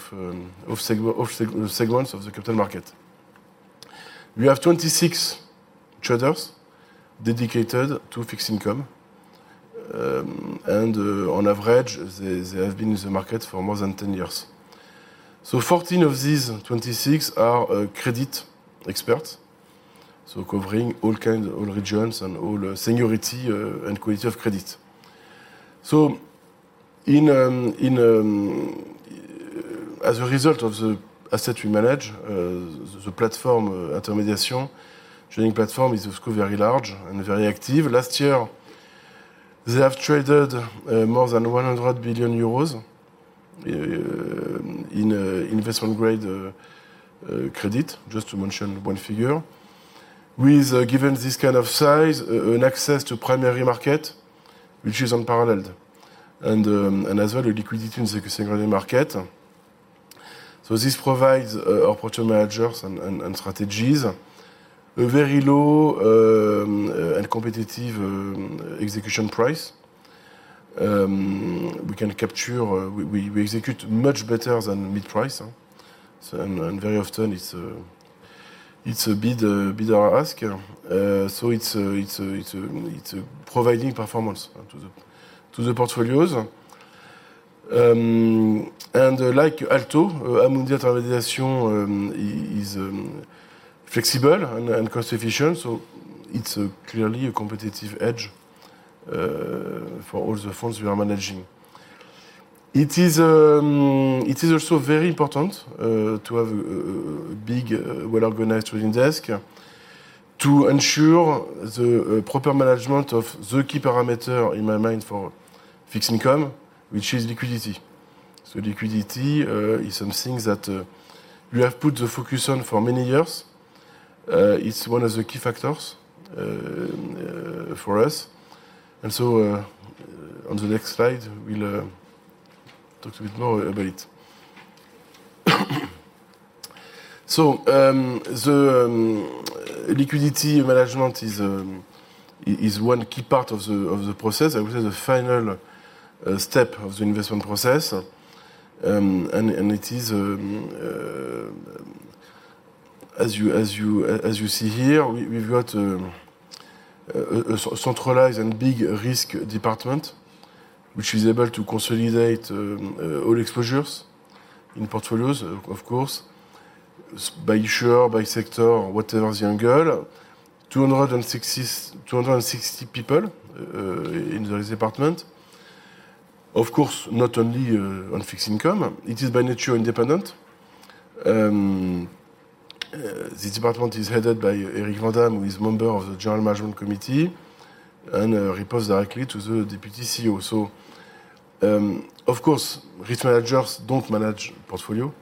Speaker 2: of segments of the capital market. We have 26 traders dedicated to fixed income, and on average, they have been in the market for more than 10 years. So 14 of these 26 are credit experts, so covering all kinds, all regions, and all seniority and quality of credit. So, as a result of the assets we manage, the platform intermediation, trading platform is, of course, very large and very active. Last year, they have traded more than 100 billion euros in investment-grade credit, just to mention one figure. Given this kind of size, an access to primary market, which is unparalleled, and as well, a liquidity in secondary market. So this provides our portfolio managers and strategies a very low and competitive execution price. We can capture, we execute much better than mid price, so and very often it's providing performance to the portfolios. And like ALTO, Amundi Intermédiation is flexible and cost efficient, so it's clearly a competitive edge for all the funds we are managing. It is also very important to have big, well-organized trading desk to ensure the proper management of the key parameter, in my mind, for fixed income, which is liquidity. So liquidity is something that we have put the focus on for many years. It's one of the key factors for us, and so on the next slide, we'll talk a bit more about it. So the liquidity management is one key part of the process. I would say the final step of the investment process, and it is as you see here, we've got a centralized and big risk department, which is able to consolidate all exposures in portfolios, of course, by issuer, by sector, whatever the angle. 262 people in the risk department. Of course, not only on fixed income. It is by nature, independent. This department is headed by Eric Vandamme, who is member of the General Management Committee, and reports directly to the Deputy CEO. So, of course, risk managers don't manage portfolio,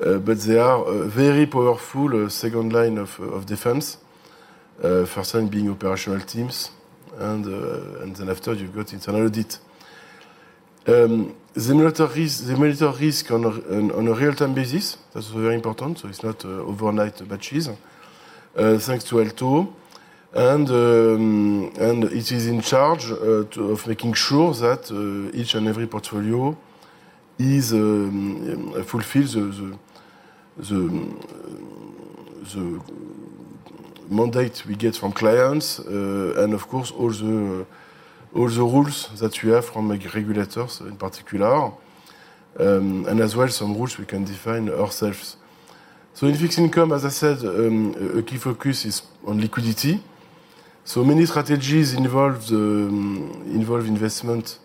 Speaker 2: but they are a very powerful second line of, of defense. First line being operational teams, and, and then after, you've got internal audit. They measure risk, they measure risk on a, on a real-time basis. That's very important, so it's not overnight batches, thanks to Alto. And it is in charge of making sure that each and every portfolio is fulfills the mandate we get from clients, and of course, all the rules that we have from, like, regulators in particular, and as well, some rules we can define ourselves. So in fixed income, as I said, a key focus is on liquidity. So many strategies involve investment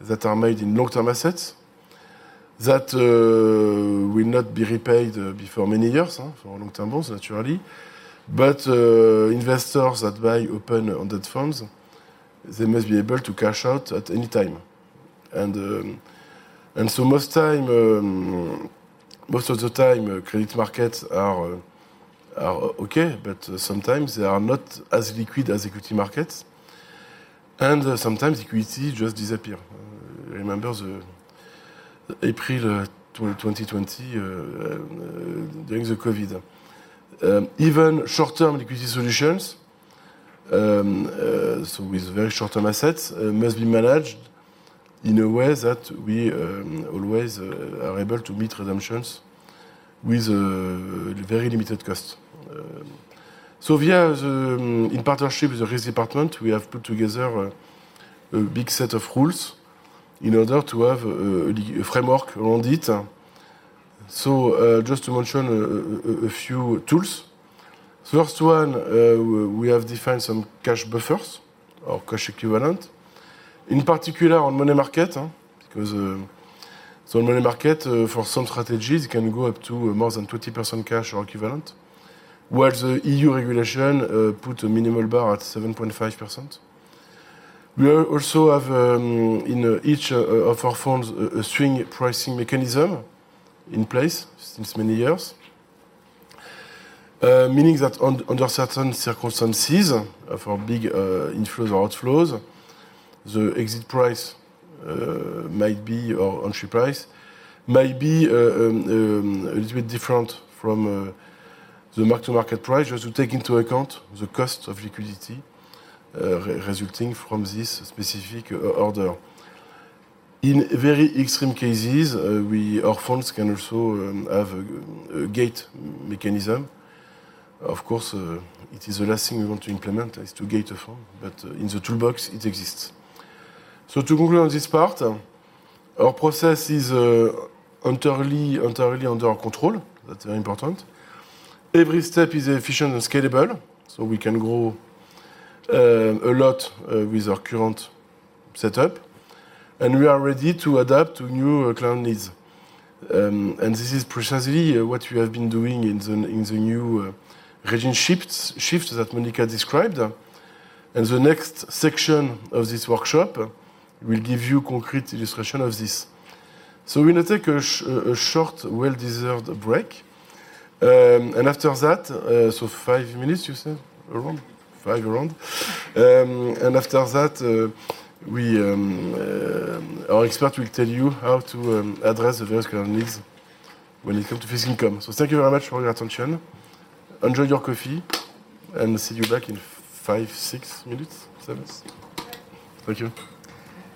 Speaker 2: that are made in long-term assets that will not be repaid before many years, for long-term bonds, naturally. But investors that buy open-ended funds, they must be able to cash out at any time. And so most of the time, credit markets are okay, but sometimes they are not as liquid as equity markets, and sometimes liquidity just disappear. Remember the April 2020, during the COVID. Even short-term liquidity solutions, so with very short-term assets, must be managed in a way that we always are able to meet redemptions with a very limited cost. So we are the, in partnership with the risk department, we have put together a big set of rules in order to have a framework around it. So just to mention a few tools. First one, we have defined some cash buffers or cash equivalent, in particular on money market, because so money market, for some strategies, can go up to more than 20% cash or equivalent, while the EU regulation put a minimal bar at 7.5%. We also have, in each of our funds, a Swing Pricing mechanism in place since many years. Meaning that under certain circumstances, for big inflows or outflows, the exit price, or entry price, might be a little bit different from the mark to market price, just to take into account the cost of liquidity resulting from this specific order. In very extreme cases, our funds can also have a gate mechanism. Of course, it is the last thing we want to implement, is to gate a fund, but in the toolbox it exists. So to conclude on this part, our process is entirely under our control. That's very important. Every step is efficient and scalable, so we can grow a lot with our current setup, and we are ready to adapt to new client needs. And this is precisely what we have been doing in the new regime shifts that Monica described. The next section of this workshop will give you concrete illustration of this. So we're going to take a short, well-deserved break. And after that... So five minutes, you said, around? Five around. And after that, we our expert will tell you how to address the various current needs when it comes to fixed income. So thank you very much for your attention. Enjoy your coffee, and see you back in five, six minutes. Seven, six. Thank you.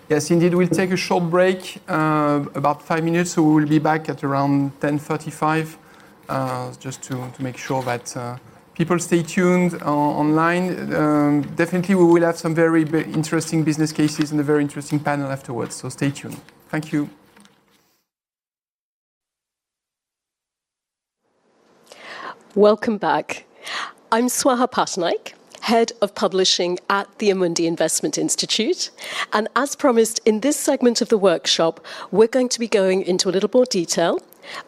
Speaker 1: Yes, indeed, we'll take a short break, about five minutes, so we'll be back at around 10:35 A.M. Just to make sure that people stay tuned online. Definitely, we will have some very interesting business cases and a very interesting panel afterwards, so stay tuned. Thank you.
Speaker 4: Welcome back. I'm Swaha Pattanaik, Head of Publishing at the Amundi Investment Institute, and as promised, in this segment of the workshop, we're going to be going into a little more detail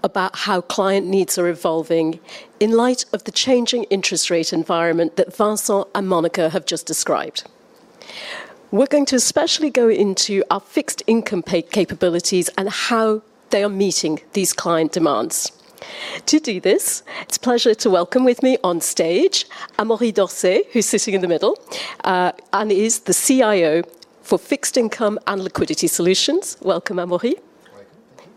Speaker 4: about how client needs are evolving in light of the changing interest rate environment that Vincent and Monica have just described. We're going to especially go into our fixed income capabilities and how they are meeting these client demands. To do this, it's a pleasure to welcome with me on stage Amaury d'Orsay, who's sitting in the middle, and is the CIO for Fixed Income and Liquidity Solutions. Welcome, Amaury.
Speaker 5: Welcome. Thank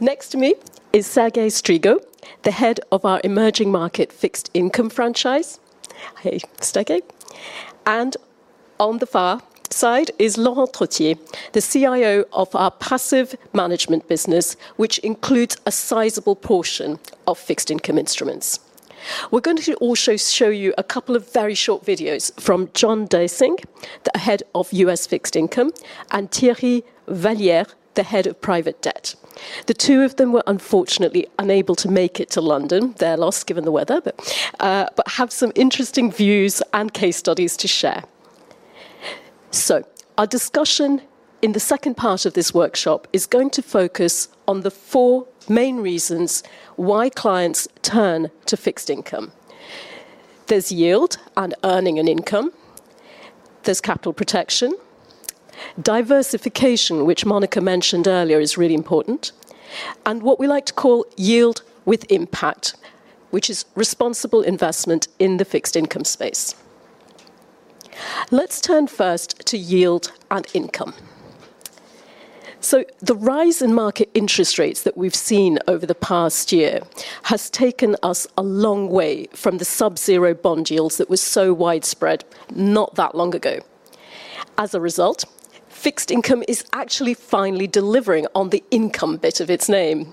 Speaker 5: you.
Speaker 4: Next to me is Sergei Strigo, the head of our Emerging Market Fixed Income franchise. Hey, Sergei. And on the far side is Laurent Trottier, the CIO of our Passive Management business, which includes a sizable portion of fixed income instruments. We're going to also show you a couple of very short videos from Jon Duensing, the head of U.S. Fixed Income, and Thierry Vallière, the head of Private Debt. The two of them were unfortunately unable to make it to London, their loss, given the weather, but, but have some interesting views and case studies to share. So our discussion in the second part of this workshop is going to focus on the four main reasons why clients turn to fixed income. There's yield and earning an income, there's capital protection, diversification, which Monica mentioned earlier, is really important, and what we like to call yield with impact, which is responsible investment in the fixed income space. Let's turn first to yield and income. So the rise in market interest rates that we've seen over the past year has taken us a long way from the subzero bond yields that were so widespread not that long ago. As a result, fixed income is actually finally delivering on the income bit of its name.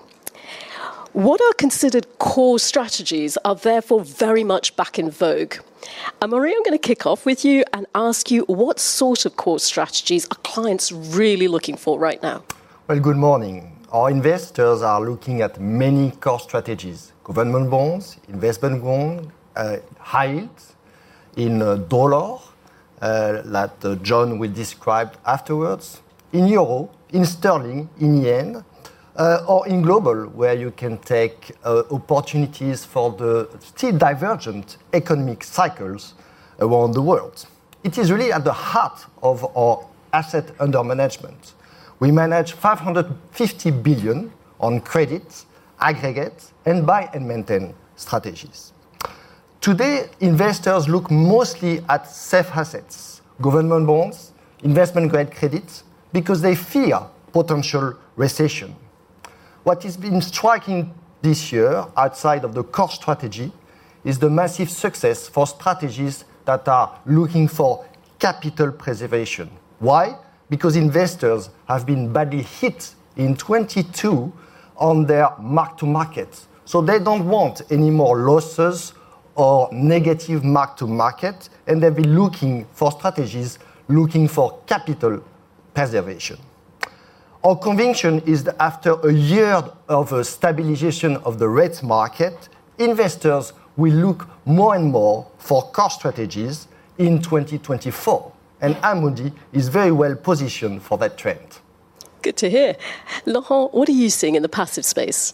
Speaker 4: What are considered core strategies are therefore very much back in vogue. Amaury, I'm going to kick off with you and ask you, what sort of core strategies are clients really looking for right now?
Speaker 5: Well, good morning. Our investors are looking at many core strategies: government bonds, investment bonds, high yields in dollar, that Jon will describe afterwards, in euro, in sterling, in yen, or in global, where you can take opportunities for the still divergent economic cycles around the world. It is really at the heart of our asset under management. We manage 550 billion on credit, aggregate, and Buy and Maintain strategies. Today, investors look mostly at safe assets, government bonds, investment-grade credits, because they fear potential recession. What has been striking this year, outside of the core strategy, is the massive success for strategies that are looking for capital preservation. Why? Because investors have been badly hit in 2022 on their mark-to-market, so they don't want any more losses or negative mark-to-market, and they've been looking for strategies, looking for capital preservation. Our conviction is that after a year of stabilization of the rates market, investors will look more and more for core strategies in 2024, and Amundi is very well positioned for that trend.
Speaker 4: Good to hear. Laurent, what are you seeing in the passive space?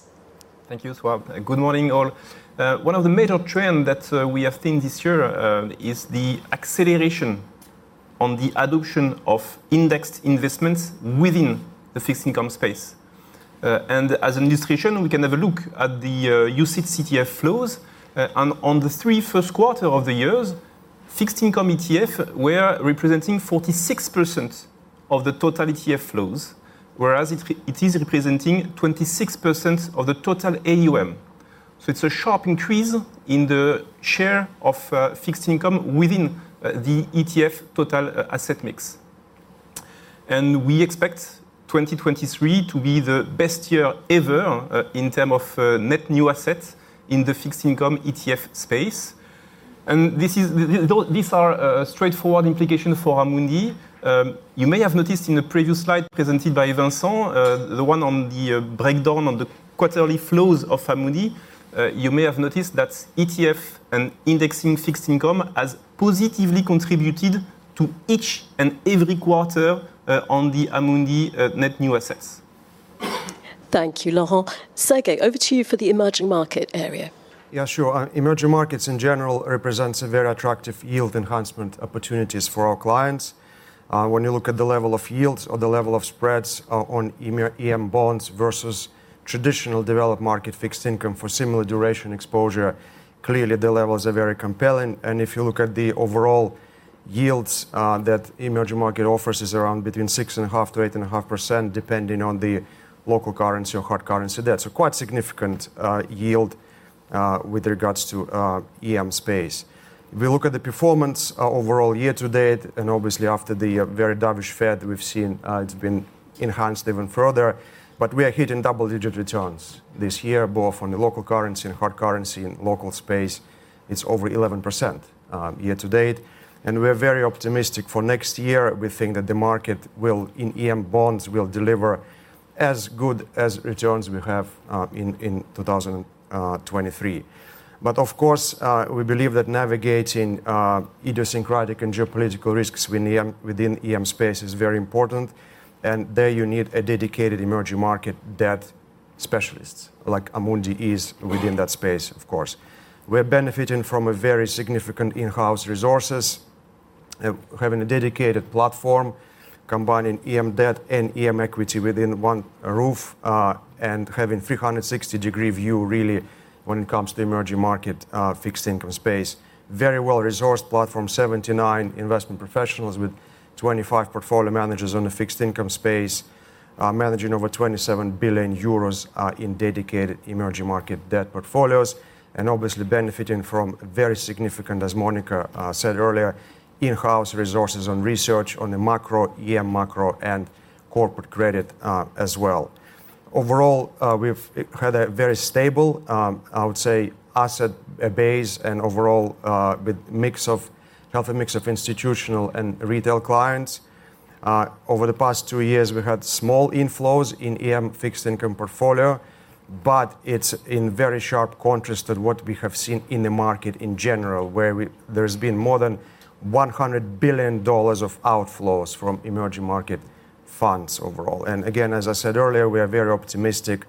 Speaker 6: Thank you, Swaha. Good morning, all. One of the major trend that we have seen this year is the acceleration on the adoption of indexed investments within the fixed income space. And as an illustration, we can have a look at the UCITS ETF flows. And on the three first quarter of the years, fixed income ETF were representing 46% of the total ETF flows, whereas it is representing 26% of the total AUM. So it's a sharp increase in the share of fixed income within the ETF total asset mix. And we expect 2023 to be the best year ever in term of net new assets in the fixed income ETF space. And these are straightforward implication for Amundi. You may have noticed in the previous slide presented by Vincent, the one on the breakdown on the quarterly flows of Amundi. You may have noticed that ETF and indexing fixed income has positively contributed to each and every quarter on the Amundi net new assets.
Speaker 4: Thank you, Laurent. Sergei, over to you for the emerging market area.
Speaker 7: Yeah, sure. Emerging markets in general represents a very attractive yield enhancement opportunities for our clients. When you look at the level of yields or the level of spreads on EM bonds versus traditional developed market fixed income for similar duration exposure, clearly the levels are very compelling. And if you look at the overall yields that emerging market offers, is around between 6.5%-8.5%, depending on the local currency or hard currency. That's a quite significant yield with regards to EM space. If we look at the performance overall year to date, and obviously after the very dovish Fed, we've seen it's been enhanced even further, but we are hitting double-digit returns this year, both on the local currency and hard currency. In local space, it's over 11%, year to date, and we're very optimistic for next year. We think that the market will, in EM bonds, will deliver as good as returns we have in 2023. But of course, we believe that navigating idiosyncratic and geopolitical risks within EM, within EM space is very important, and there you need a dedicated emerging market debt specialists, like Amundi is within that space, of course. We're benefiting from a very significant in-house resources, having a dedicated platform, combining EM debt and EM equity within one roof, and having 360-degree view really when it comes to emerging market fixed income space. Very well-resourced platform, 79 investment professionals with 25 portfolio managers on the fixed income space, managing over 27 billion euros in dedicated emerging market debt portfolios, and obviously benefiting from very significant, as Monica said earlier, in-house resources on research on the macro, EM macro, and corporate credit, as well. Overall, we've had a very stable, I would say, asset base and overall, with healthy mix of institutional and retail clients. Over the past two years, we've had small inflows in EM fixed income portfolio, but it's in very sharp contrast to what we have seen in the market in general, where there's been more than $100 billion of outflows from emerging market funds overall. And again, as I said earlier, we are very optimistic,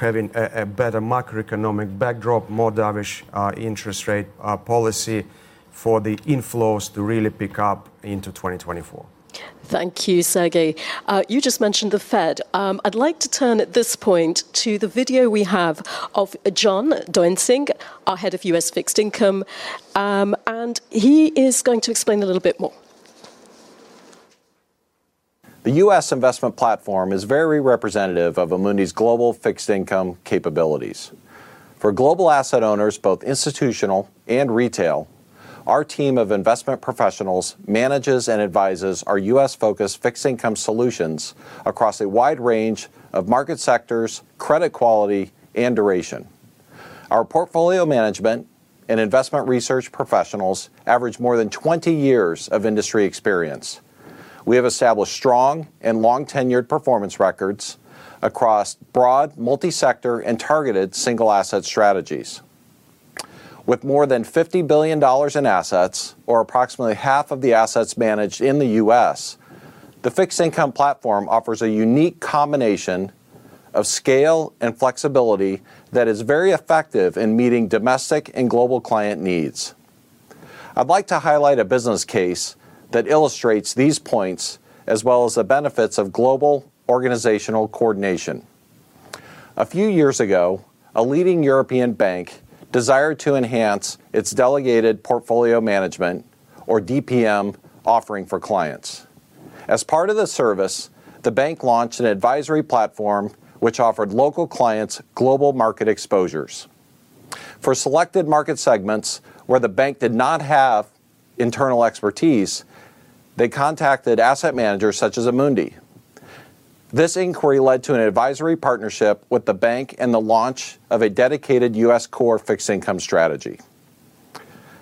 Speaker 7: having a better macroeconomic backdrop, more dovish interest rate policy, for the inflows to really pick up into 2024.
Speaker 4: Thank you, Sergei. You just mentioned the Fed. I'd like to turn at this point to the video we have of Jon Duensing, our Head of U.S. Fixed Income, and he is going to explain a little bit more.
Speaker 8: The U.S. investment platform is very representative of Amundi's global fixed income capabilities. For global asset owners, both institutional and retail, our team of investment professionals manages and advises our U.S.-focused fixed income solutions across a wide range of market sectors, credit quality, and duration. Our portfolio management and investment research professionals average more than 20 years of industry experience. We have established strong and long-tenured performance records across broad, multi-sector, and targeted single asset strategies. With more than $50 billion in assets, or approximately half of the assets managed in the U.S., the fixed income platform offers a unique combination of scale and flexibility that is very effective in meeting domestic and global client needs. I'd like to highlight a business case that illustrates these points, as well as the benefits of global organizational coordination. A few years ago, a leading European bank desired to enhance its delegated portfolio management, or DPM, offering for clients. As part of the service, the bank launched an advisory platform which offered local clients global market exposures. For selected market segments where the bank did not have internal expertise, they contacted asset managers such as Amundi. This inquiry led to an advisory partnership with the bank and the launch of a dedicated U.S. core fixed income strategy.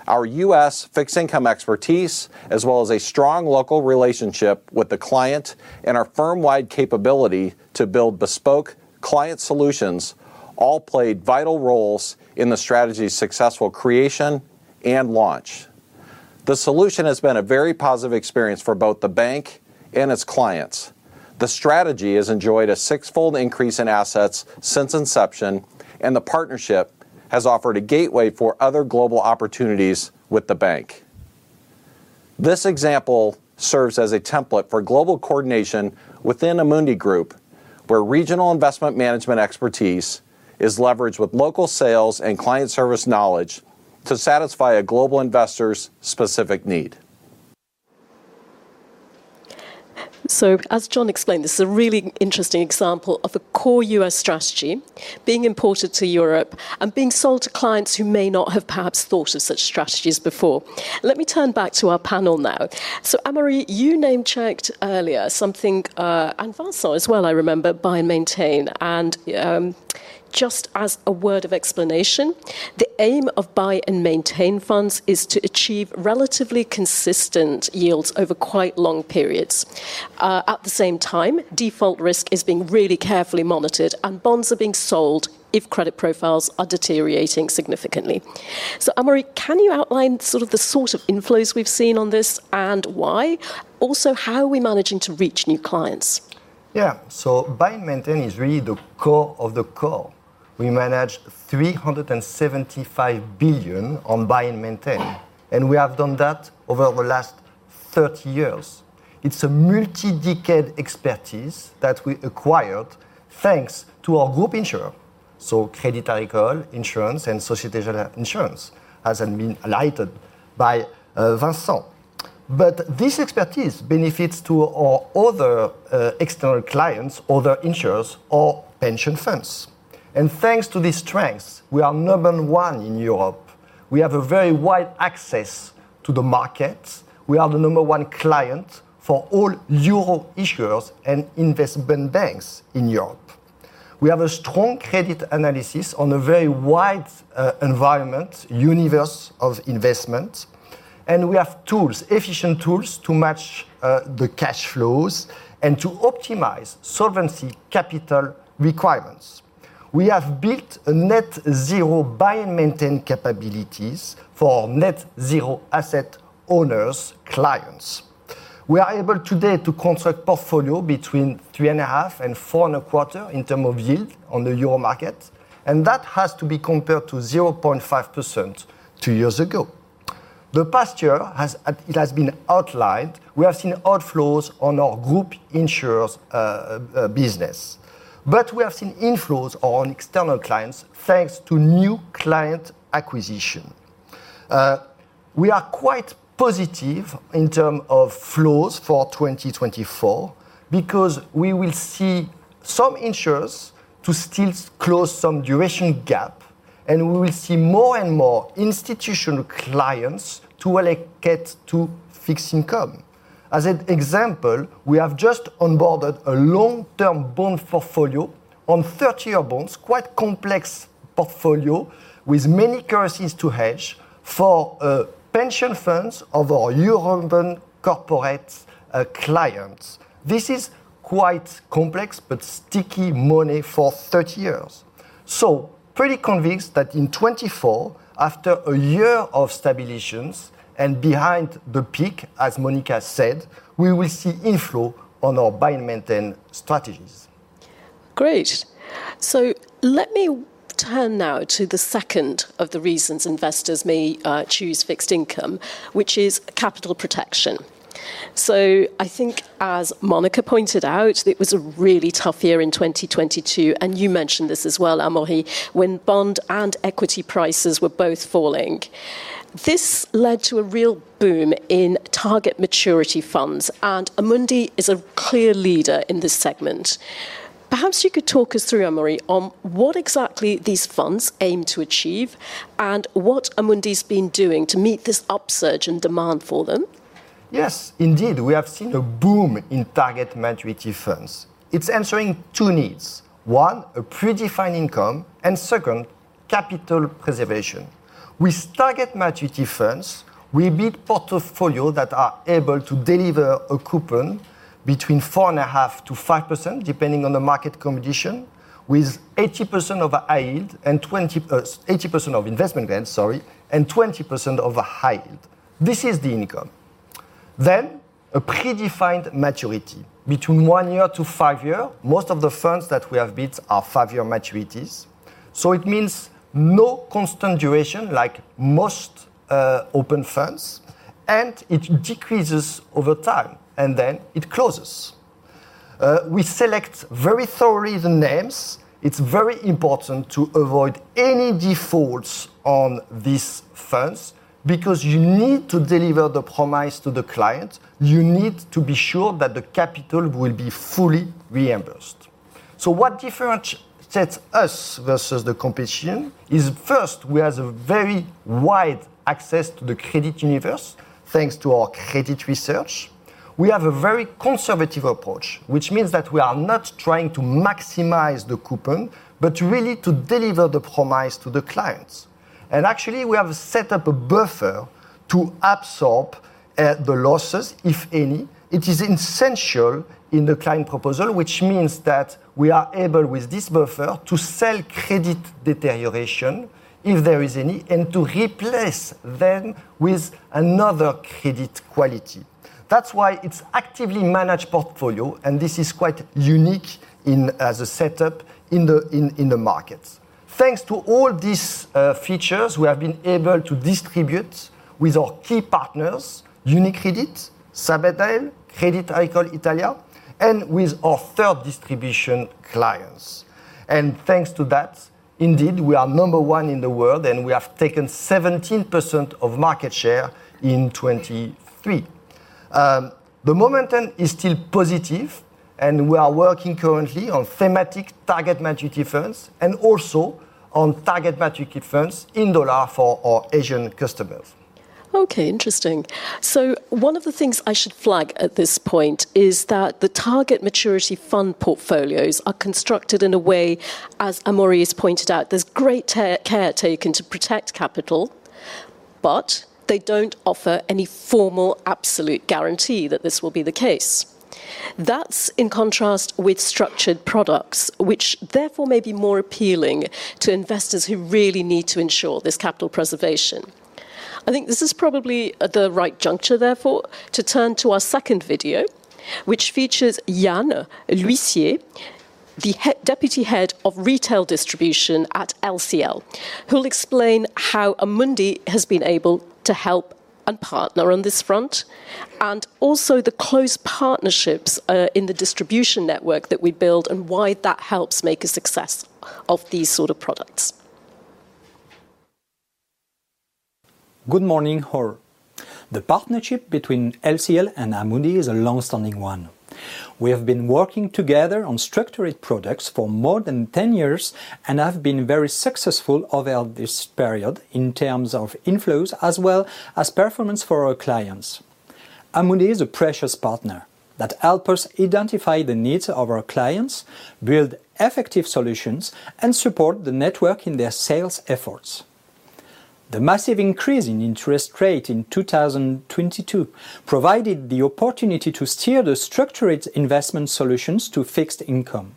Speaker 8: Our U.S. fixed income expertise, as well as a strong local relationship with the client and our firm-wide capability to build bespoke client solutions, all played vital roles in the strategy's successful creation and launch. The solution has been a very positive experience for both the bank and its clients. The strategy has enjoyed a sixfold increase in assets since inception, and the partnership has offered a gateway for other global opportunities with the bank. This example serves as a template for global coordination within Amundi Group, where regional investment management expertise is leveraged with local sales and client service knowledge to satisfy a global investor's specific need. ...
Speaker 4: So as Jon explained, this is a really interesting example of a core U.S. strategy being imported to Europe and being sold to clients who may not have perhaps thought of such strategies before. Let me turn back to our panel now. So, Amaury, you name-checked earlier something, and Vincent as well, I remember, Buy and Maintain. And, just as a word of explanation, the aim of Buy and Maintain funds is to achieve relatively consistent yields over quite long periods. At the same time, default risk is being really carefully monitored, and bonds are being sold if credit profiles are deteriorating significantly. So Amaury, can you outline sort of the inflows we've seen on this, and why? Also, how are we managing to reach new clients?
Speaker 5: Yeah. So Buy and Maintain is really the core of the core. We manage 375 billion on Buy and Maintain, and we have done that over the last 30 years. It's a multi-decade expertise that we acquired thanks to our group insurer, so Crédit Agricole Insurance and Société Générale Insurance, as has been highlighted by Vincent. But this expertise benefits to our other external clients, other insurers, or pension funds. And thanks to this strength, we are number one in Europe. We have a very wide access to the markets. We are the number one client for all Euro issuers and investment banks in Europe. We have a strong credit analysis on a very wide environment, universe of investment, and we have tools, efficient tools, to match the cash flows and to optimize solvency capital requirements. We have built a Net Zero Buy and Maintain capabilities for net zero asset owners, clients. We are able today to construct portfolio between 3.5% and 4.25% in terms of yield on the euro market, and that has to be compared to 0.5% two years ago. The past year has. It has been outlined, we have seen outflows on our group insurers', business, but we have seen inflows on external clients, thanks to new client acquisition. We are quite positive in terms of flows for 2024 because we will see some insurers to still close some duration gap, and we will see more and more institutional clients to allocate to fixed income. As an example, we have just onboarded a long-term bond portfolio on 30-year bonds, quite complex portfolio, with many currencies to hedge for, pension funds of our European corporate, clients. This is quite complex, but sticky money for 30 years. So pretty convinced that in 2024, after a year of stabilizations and behind the peak, as Monica said, we will see inflow on our Buy and Maintain strategies.
Speaker 4: Great! So let me turn now to the second of the reasons investors may choose fixed income, which is capital protection. So I think as Monica pointed out, it was a really tough year in 2022, and you mentioned this as well, Amaury, when bond and equity prices were both falling. This led to a real boom in Target Maturity Funds, and Amundi is a clear leader in this segment. Perhaps you could talk us through, Amaury, on what exactly these funds aim to achieve and what Amundi's been doing to meet this upsurge in demand for them.
Speaker 5: Yes, indeed. We have seen a boom in Target Maturity Funds. It's answering two needs: one, a predefined income, and second, capital preservation. With Target Maturity Funds, we build portfolio that are able to deliver a coupon between 4.5%-5%, depending on the market competition, with 80% of high yield and 20%... 80% of investment grade, sorry, and 20% of a high yield. This is the income. Then, a predefined maturity between one year to five year. Most of the funds that we have built are five-year maturities. It means no constant duration, like most open funds, and it decreases over time, and then it closes. We select very thoroughly the names. It's very important to avoid any defaults on these funds, because you need to deliver the promise to the client. You need to be sure that the capital will be fully reimbursed. So what differentiate us versus the competition is, first, we have a very wide access to the credit universe, thanks to our credit research. We have a very conservative approach, which means that we are not trying to maximize the coupon, but really to deliver the promise to the clients. And actually, we have set up a buffer to absorb the losses, if any. It is essential in the client proposal, which means that we are able, with this buffer, to sell credit deterioration, if there is any, and to replace them with another credit quality. That's why it's actively managed portfolio, and this is quite unique in as a setup in the markets. Thanks to all these features, we have been able to distribute with our key partners, UniCredit, Sabadell, Crédit Agricole Italia, and with our third distribution clients. Thanks to that, indeed, we are number one in the world, and we have taken 17% of market share in 2023. The momentum is still positive, and we are working currently on thematic Target Maturity funds, and also on Target Maturity funds in dollar for our Asian customers.
Speaker 4: Okay, interesting. So one of the things I should flag at this point is that the target maturity fund portfolios are constructed in a way, as Amaury has pointed out, there's great care taken to protect capital, but they don't offer any formal absolute guarantee that this will be the case. That's in contrast with structured products, which therefore may be more appealing to investors who really need to ensure there's capital preservation. I think this is probably the right juncture, therefore, to turn to our second video, which features Yann Lhuissier, the Deputy Head of Retail Distribution at LCL, who will explain how Amundi has been able to help and partner on this front, and also the close partnerships in the distribution network that we build and why that helps make a success of these sort of products.
Speaker 9: Good morning, all. The partnership between LCL and Amundi is a longstanding one. We have been working together on structured products for more than 10 years and have been very successful over this period in terms of inflows as well as performance for our clients. Amundi is a precious partner that help us identify the needs of our clients, build effective solutions, and support the network in their sales efforts. The massive increase in interest rate in 2022 provided the opportunity to steer the structured investment solutions to fixed income.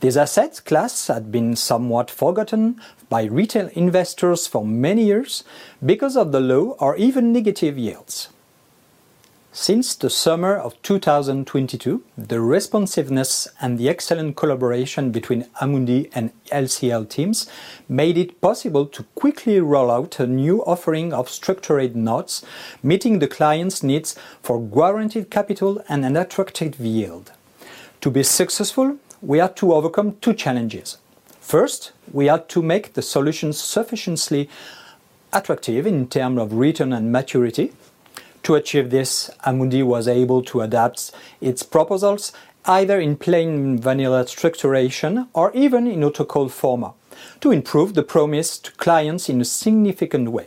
Speaker 9: This asset class had been somewhat forgotten by retail investors for many years because of the low or even negative yields. Since the summer of 2022, the responsiveness and the excellent collaboration between Amundi and LCL teams made it possible to quickly roll out a new offering of structured notes, meeting the clients' needs for guaranteed capital and an attractive yield. To be successful, we had to overcome two challenges. First, we had to make the solution sufficiently attractive in terms of return and maturity. To achieve this, Amundi was able to adapt its proposals, either in plain vanilla structuration or even in autocall format, to improve the promise to clients in a significant way.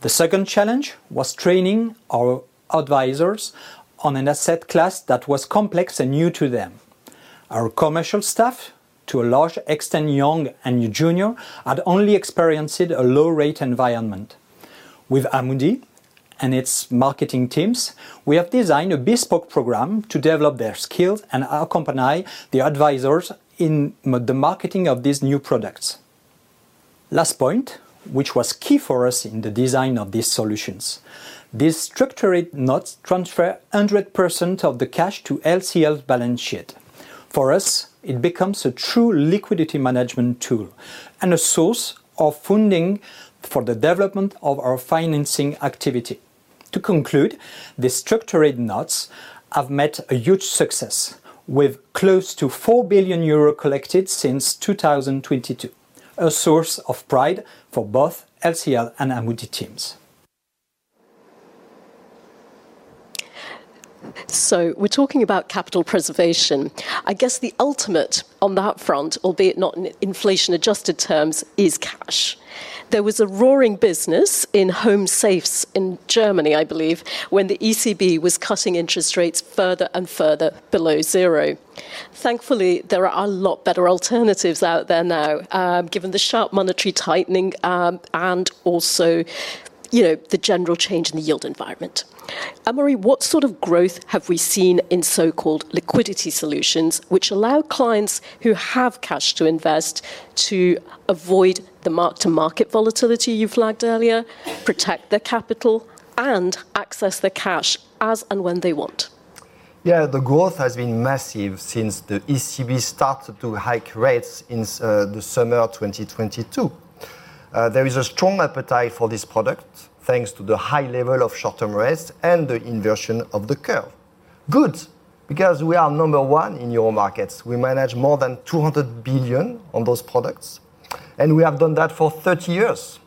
Speaker 9: The second challenge was training our advisors on an asset class that was complex and new to them. Our commercial staff, to a large extent, young and junior, had only experienced a low-rate environment. With Amundi and its marketing teams, we have designed a bespoke program to develop their skills and accompany the advisors in the marketing of these new products. Last point, which was key for us in the design of these solutions, these structured notes transfer 100% of the cash to LCL's balance sheet. For us, it becomes a true liquidity management tool and a source of funding for the development of our financing activity. To conclude, the structured notes have met a huge success, with close to 4 billion euro collected since 2022, a source of pride for both LCL and Amundi teams.
Speaker 4: So we're talking about capital preservation. I guess the ultimate on that front, albeit not in inflation-adjusted terms, is cash. There was a roaring business in home safes in Germany, I believe, when the ECB was cutting interest rates further and further below zero. Thankfully, there are a lot better alternatives out there now, given the sharp monetary tightening, and also, you know, the general change in the yield environment. Amaury, what sort of growth have we seen in so-called liquidity solutions, which allow clients who have cash to invest to avoid the mark-to-market volatility you flagged earlier, protect their capital, and access the cash as and when they want?
Speaker 5: Yeah, the growth has been massive since the ECB started to hike rates in the summer of 2022. There is a strong appetite for this product, thanks to the high level of short-term rates and the inversion of the curve. Good, because we are number one in euro markets. We manage more than 200 billion on those products, and we have done that for 30 years.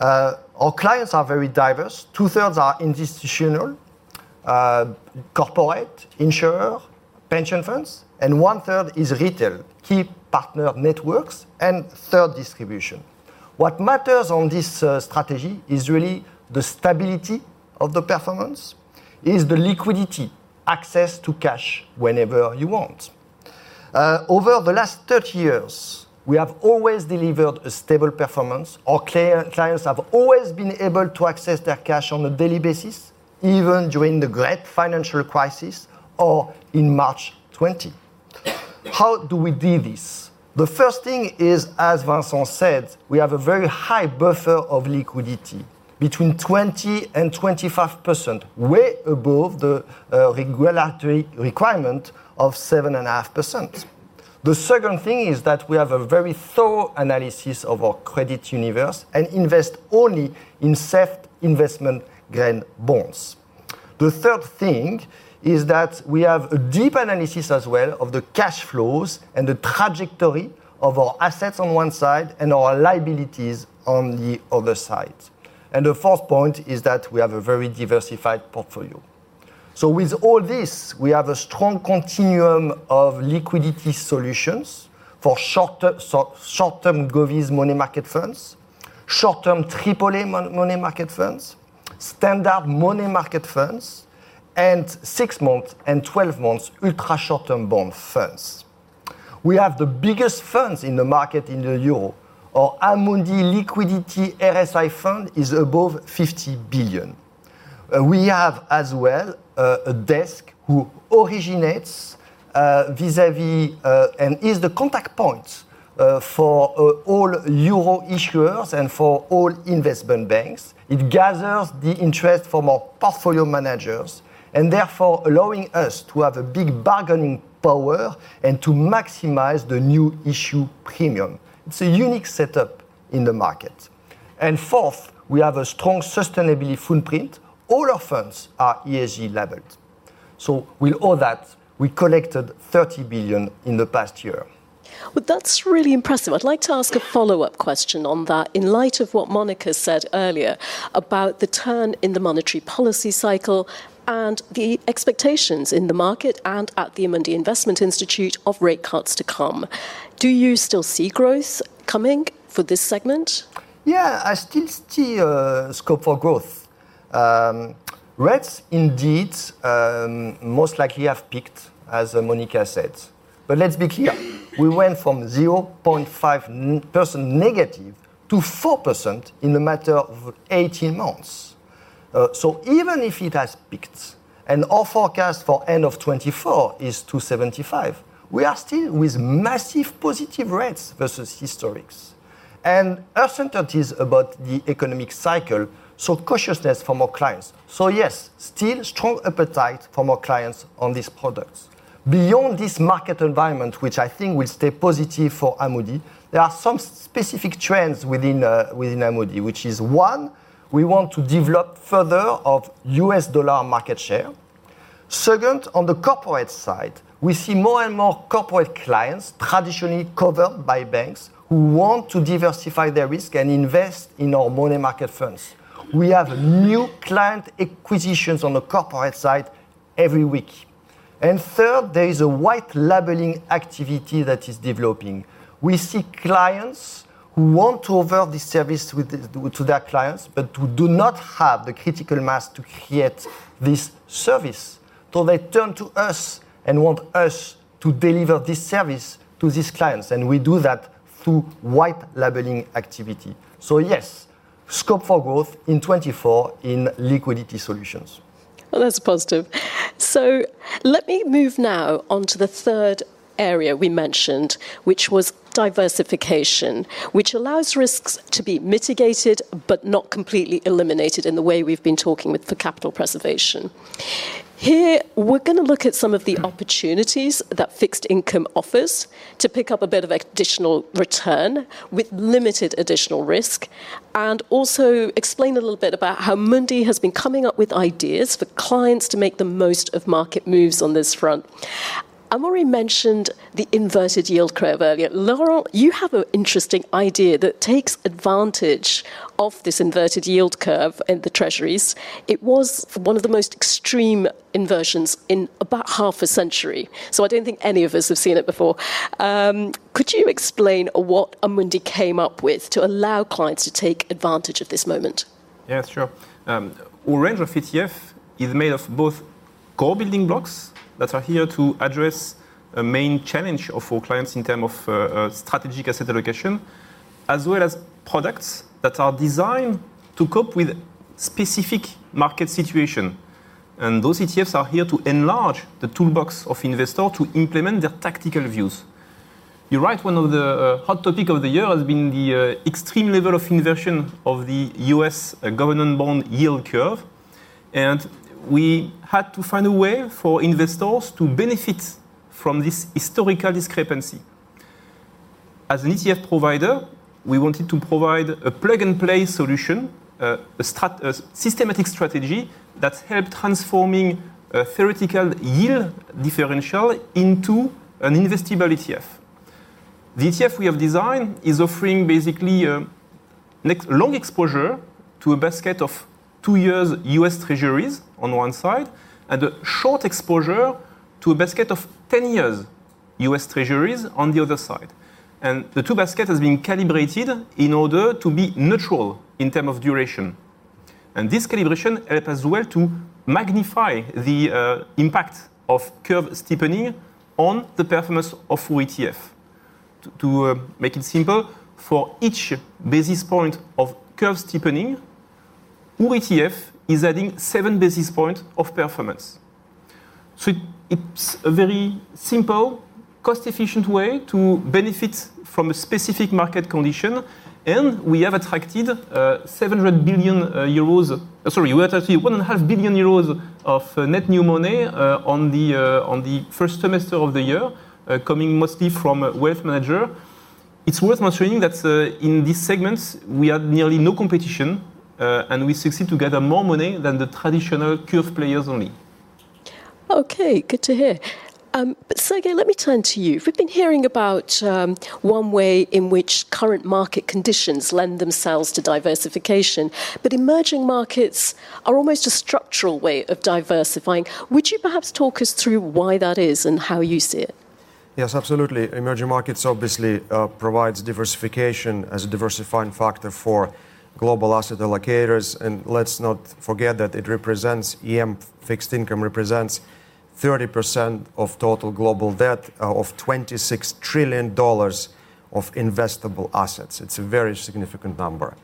Speaker 5: Our clients are very diverse. Two-thirds are institutional, corporate, insurer, pension funds, and 1/3 is retail, key partner networks, and third distribution. What matters on this strategy is really the stability of the performance, is the liquidity, access to cash whenever you want. Over the last 30 years, we have always delivered a stable performance. Our clients have always been able to access their cash on a daily basis, even during the great financial crisis or in March 2020. How do we do this? The first thing is, as Vincent said, we have a very high buffer of liquidity, between 20%-25%, way above the regulatory requirement of 7.5%. The second thing is that we have a very thorough analysis of our credit universe and invest only in safe investment-grade bonds. The third thing is that we have a deep analysis as well of the cash flows and the trajectory of our assets on one side, and our liabilities on the other side. And the fourth point is that we have a very diversified portfolio. So with all this, we have a strong continuum of liquidity solutions for shorter, short-term govies money market funds, short-term triple-A money market funds, standard money market funds, and six-month and 12-month ultra-short-term bond funds. We have the biggest funds in the market in the euro. Our Amundi Liquidity SRI fund is above 50 billion. We have, as well, a desk who originates vis-à-vis and is the contact point for all euro issuers and for all investment banks. It gathers the interest from our portfolio managers, and therefore allowing us to have a big bargaining power and to maximize the new issue premium. It's a unique setup in the market. And fourth, we have a strong sustainability footprint. All our funds are ESG labeled. So with all that, we collected 30 billion in the past year.
Speaker 4: Well, that's really impressive. I'd like to ask a follow-up question on that. In light of what Monica said earlier about the turn in the monetary policy cycle and the expectations in the market and at the Amundi Investment Institute of rate cuts to come, do you still see growth coming for this segment?
Speaker 5: Yeah, I still see scope for growth. Rates, indeed, most likely have peaked, as Monica said. But let's be clear, we went from 0.5%- to 4% in a matter of 18 months. So even if it has peaked, and our forecast for end of 2024 is 2.75%, we are still with massive positive rates versus historics. And uncertainties about the economic cycle, so cautiousness from our clients. So yes, still strong appetite from our clients on these products. Beyond this market environment, which I think will stay positive for Amundi, there are some specific trends within Amundi, which is, one, we want to develop further of U.S. dollar market share. Second, on the corporate side, we see more and more corporate clients, traditionally covered by banks, who want to diversify their risk and invest in our money market funds. We have new client acquisitions on the corporate side every week. And third, there is a white labeling activity that is developing. We see clients who want to offer this service to their clients, but who do not have the critical mass to create this service, so they turn to us and want us to deliver this service to these clients, and we do that through white labeling activity. So yes, scope for growth in 2024 in liquidity solutions.
Speaker 4: Well, that's positive. So let me move now on to the third area we mentioned, which was diversification, which allows risks to be mitigated but not completely eliminated in the way we've been talking with the capital preservation. Here, we're gonna look at some of the opportunities that fixed income offers to pick up a bit of additional return with limited additional risk, and also explain a little bit about how Amundi has been coming up with ideas for clients to make the most of market moves on this front. Amaury mentioned the inverted yield curve earlier. Laurent, you have an interesting idea that takes advantage of this inverted yield curve in the Treasuries. It was one of the most extreme inversions in about half a century, so I don't think any of us have seen it before. Could you explain what Amundi came up with to allow clients to take advantage of this moment?
Speaker 6: Yeah, sure. Our range of ETF is made of both core building blocks that are here to address a main challenge of our clients in term of strategic asset allocation, as well as products that are designed to cope with specific market situation. Those ETFs are here to enlarge the toolbox of investor to implement their tactical views. You're right, one of the hot topic of the year has been the extreme level of inversion of the U.S. government bond yield curve, and we had to find a way for investors to benefit from this historical discrepancy. As an ETF provider, we wanted to provide a plug-and-play solution, a systematic strategy that helped transforming a theoretical yield differential into an investable ETF. The ETF we have designed is offering basically a net long exposure to a basket of two-year U.S. Treasuries on one side, and a short exposure to a basket of 10-year U.S. Treasuries on the other side. The two basket has been calibrated in order to be neutral in term of duration, and this calibration help as well to magnify the impact of curve steepening on the performance of our ETF. To make it simple, for each basis point of curve steepening, our ETF is adding 7 basis points of performance. So it's a very simple, cost-efficient way to benefit from a specific market condition, and we have attracted seven hundred billion euros—sorry, we attracted EUR 1.5 billion of net new money on the first semester of the year coming mostly from a wealth manager. It's worth mentioning that, in these segments, we have nearly no competition, and we succeed to gather more money than the traditional curve players only.
Speaker 4: Okay, good to hear. But Sergei, let me turn to you. We've been hearing about one way in which current market conditions lend themselves to diversification, but emerging markets are almost a structural way of diversifying. Would you perhaps talk us through why that is and how you see it?
Speaker 7: Yes, absolutely. Emerging markets obviously provides diversification as a diversifying factor for global asset allocators. And let's not forget that it represents, EM fixed income represents 30% of total global debt, of $26 trillion of investable assets. It's a very significant number.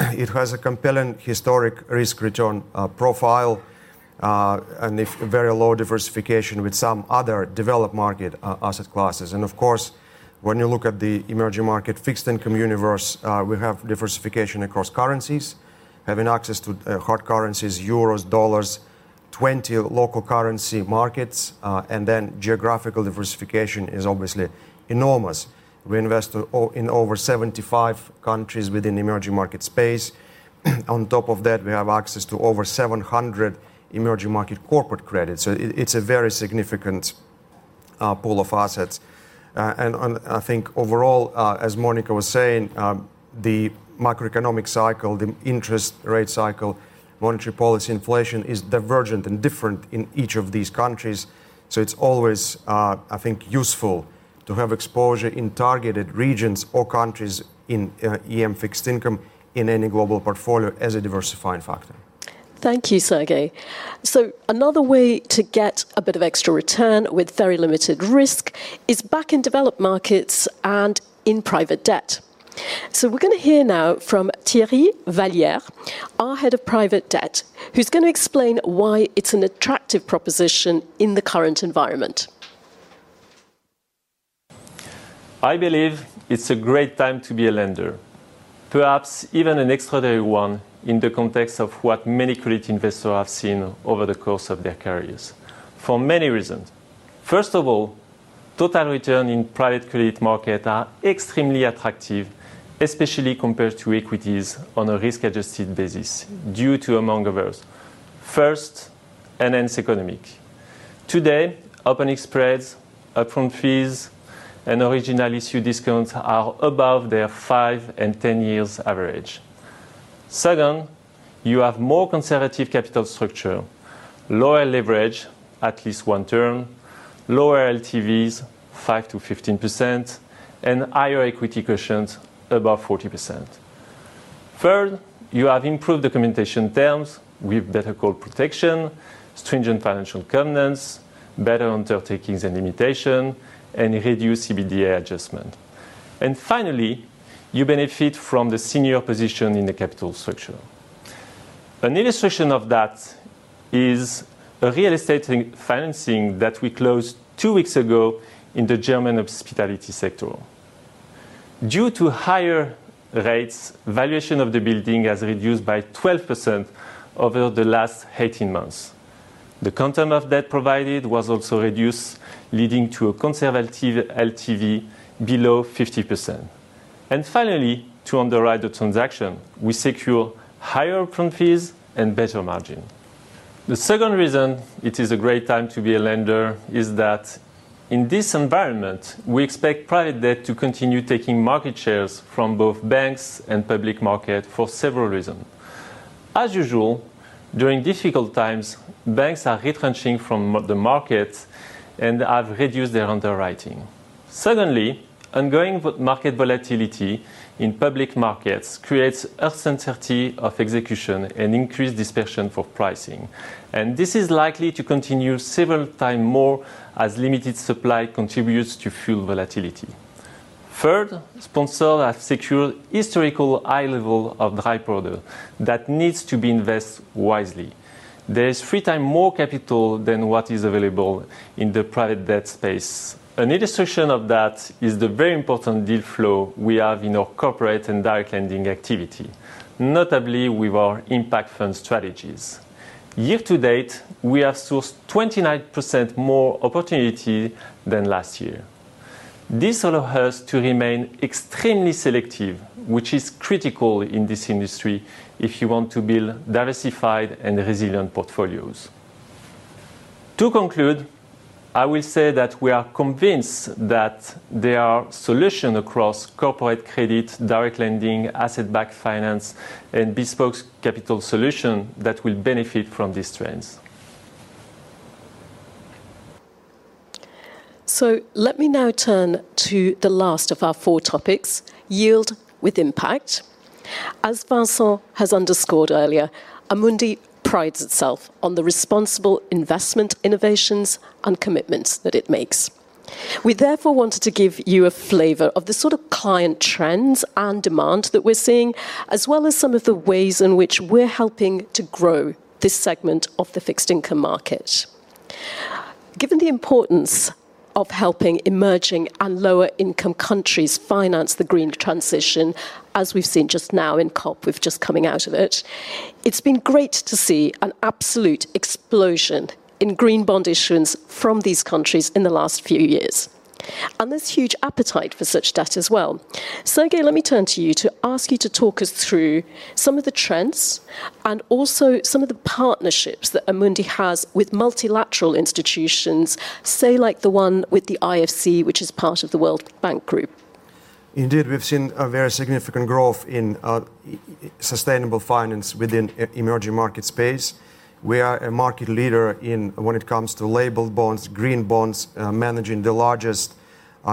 Speaker 7: It has a compelling historic risk-return profile, and if very low diversification with some other developed market asset classes. And of course, when you look at the emerging market fixed income universe, we have diversification across currencies, having access to hard currencies, euros, dollars, 20 local currency markets, and then geographical diversification is obviously enormous. We invest in over 75 countries within the emerging market space. On top of that, we have access to over 700 emerging market corporate credit. So it's a very significant pool of assets. I think overall, as Monica was saying, the macroeconomic cycle, the interest rate cycle, monetary policy, inflation is divergent and different in each of these countries. So it's always, I think, useful to have exposure in targeted regions or countries in EM fixed income in any global portfolio as a diversifying factor.
Speaker 4: Thank you, Sergei. So another way to get a bit of extra return with very limited risk is back in developed markets and in private debt. So we're gonna hear now from Thierry Vallière, our Head of Private Debt, who's gonna explain why it's an attractive proposition in the current environment.
Speaker 10: I believe it's a great time to be a lender, perhaps even an extraordinary one, in the context of what many credit investors have seen over the course of their careers, for many reasons. First of all, total return in private credit market are extremely attractive, especially compared to equities on a risk-adjusted basis, due to, among others, first, enhanced economics. Today, opening spreads, upfront fees, and original issue discounts are above their five- and 10-year average. Second, you have more conservative capital structure, lower leverage, at least one term, lower LTVs, 5%-15%, and higher equity cushions, above 40%. Third, you have improved documentation terms with better call protection, stringent financial covenants, better undertakings and limitations, and reduced EBITDA adjustment. Finally, you benefit from the senior position in the capital structure. An illustration of that is a real estate financing that we closed two weeks ago in the German hospitality sector. Due to higher rates, valuation of the building has reduced by 12% over the last 18 months. The content of debt provided was also reduced, leading to a conservative LTV below 50%. And finally, to underwrite the transaction, we secure higher upfront fees and better margin. The second reason it is a great time to be a lender is that in this environment, we expect private debt to continue taking market shares from both banks and public market for several reasons. As usual, during difficult times, banks are retrenching from the markets and have reduced their underwriting. Secondly, ongoing market volatility in public markets creates uncertainty of execution and increased dispersion for pricing. This is likely to continue several times more as limited supply contributes to fuel volatility. Third, sponsors have secured historically high level of dry powder that needs to be invested wisely. There is three times more capital than what is available in the private debt space. An illustration of that is the very important deal flow we have in our corporate and direct lending activity, notably with our impact fund strategies. Year to date, we have sourced 29% more opportunity than last year. This allows us to remain extremely selective, which is critical in this industry if you want to build diversified and resilient portfolios. To conclude, I will say that we are convinced that there are solutions across corporate credit, direct lending, asset-backed finance, and bespoke capital solutions that will benefit from these trends.
Speaker 4: So let me now turn to the last of our four topics, yield with impact. As Vincent has underscored earlier, Amundi prides itself on the responsible investment innovations and commitments that it makes. We therefore wanted to give you a flavor of the sort of client trends and demand that we're seeing, as well as some of the ways in which we're helping to grow this segment of the fixed income market. Given the importance of helping emerging and lower-income countries finance the green transition, as we've seen just now in COP, with just coming out of it, it's been great to see an absolute explosion in green bond issuance from these countries in the last few years... And there's huge appetite for such debt as well. Sergei, let me turn to you to ask you to talk us through some of the trends and also some of the partnerships that Amundi has with multilateral institutions, say, like the one with the IFC, which is part of the World Bank Group.
Speaker 7: Indeed, we've seen a very significant growth in sustainable finance within emerging market space. We are a market leader in when it comes to labeled bonds, green bonds, managing the largest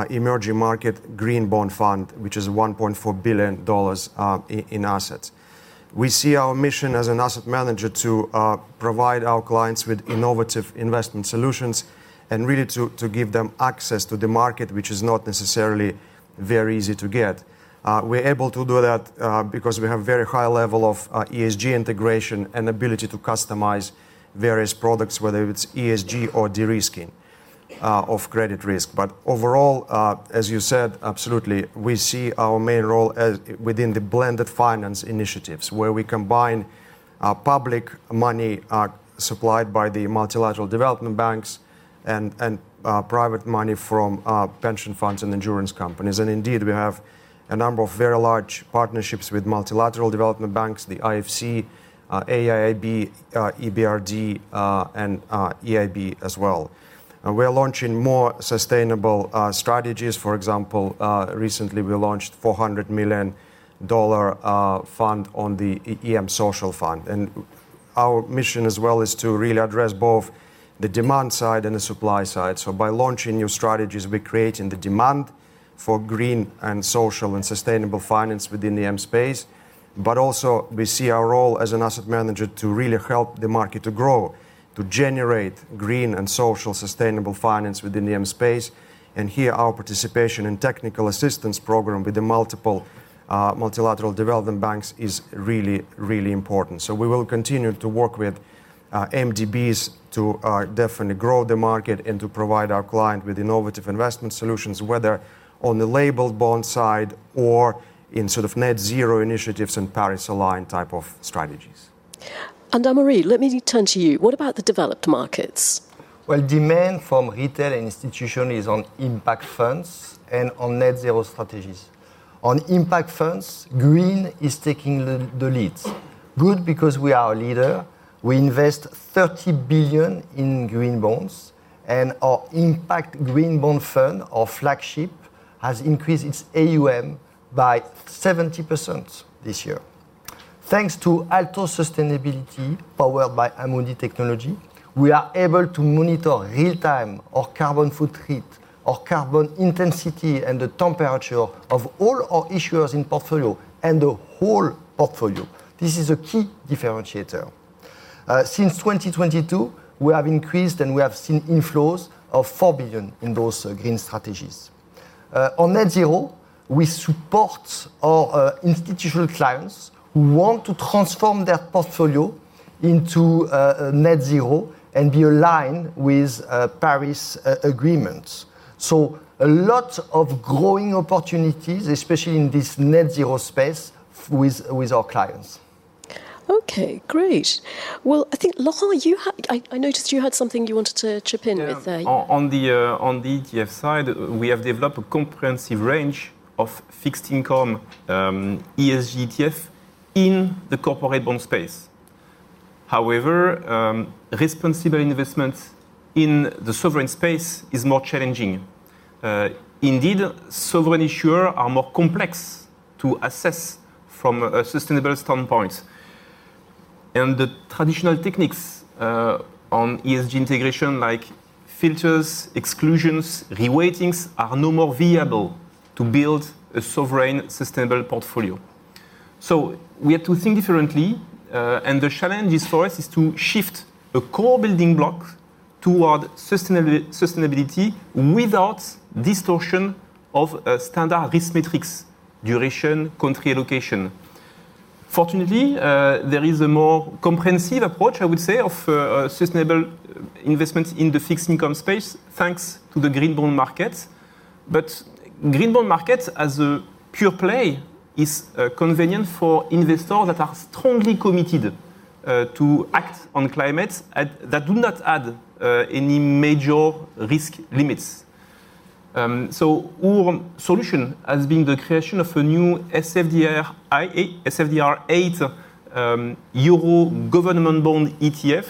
Speaker 7: emerging market green bond fund, which is $1.4 billion in assets. We see our mission as an asset manager to provide our clients with innovative investment solutions and really to give them access to the market, which is not necessarily very easy to get. We're able to do that because we have very high level of ESG integration and ability to customize various products, whether it's ESG or de-risking of credit risk. But overall, as you said, absolutely, we see our main role as within the blended finance initiatives, where we combine public money supplied by the multilateral development banks and private money from pension funds and insurance companies. And indeed, we have a number of very large partnerships with multilateral development banks, the IFC, AIIB, EBRD, and EIB as well. And we are launching more sustainable strategies. For example, recently, we launched a $400 million fund on the EM social fund. And our mission as well is to really address both the demand side and the supply side. So by launching new strategies, we're creating the demand for green and social and sustainable finance within the EM space, but also we see our role as an asset manager to really help the market to grow, to generate green and social sustainable finance within the EM space, and here our participation in technical assistance program with the multiple, multilateral development banks is really, really important. So we will continue to work with, MDBs to, definitely grow the market and to provide our client with innovative investment solutions, whether on the labeled bond side or in sort of Net Zero initiatives and Paris-aligned type of strategies.
Speaker 4: Amaury, let me turn to you. What about the developed markets?
Speaker 5: Well, demand from retail and institution is on impact funds and on Net Zero strategies. On impact funds, green is taking the lead. Good, because we are a leader. We invest 30 billion in green bonds, and our impact green bond fund, our flagship, has increased its AUM by 70% this year. Thanks to ALTO Sustainability, powered by Amundi Technology, we are able to monitor real time our carbon footprint, our carbon intensity, and the temperature of all our issuers in portfolio and the whole portfolio. This is a key differentiator. Since 2022, we have increased, and we have seen inflows of 4 billion in those green strategies. On Net Zero, we support our institutional clients who want to transform their portfolio into a Net Zero and be aligned with Paris Agreements. So a lot of growing opportunities, especially in this Net Zero space, with our clients.
Speaker 4: Okay, great. Well, I think, Laurent, you had... I, I noticed you had something you wanted to chip in with there.
Speaker 6: On the ETF side, we have developed a comprehensive range of fixed income ESG ETF in the corporate bond space. However, responsible investments in the sovereign space is more challenging. Indeed, sovereign issuer are more complex to assess from a sustainable standpoint, and the traditional techniques on ESG integration, like filters, exclusions, reweightings, are no more viable to build a sovereign sustainable portfolio. So we have to think differently, and the challenges for us is to shift a core building block toward sustainability without distortion of a standard risk metrics duration country allocation. Fortunately, there is a more comprehensive approach, I would say, of sustainable investments in the fixed income space, thanks to the green bond market. But green bond market, as a pure play, is convenient for investors that are strongly committed to act on climate and that do not add any major risk limits. So our solution has been the creation of a new SFDR Article 8 Euro government bond ETF,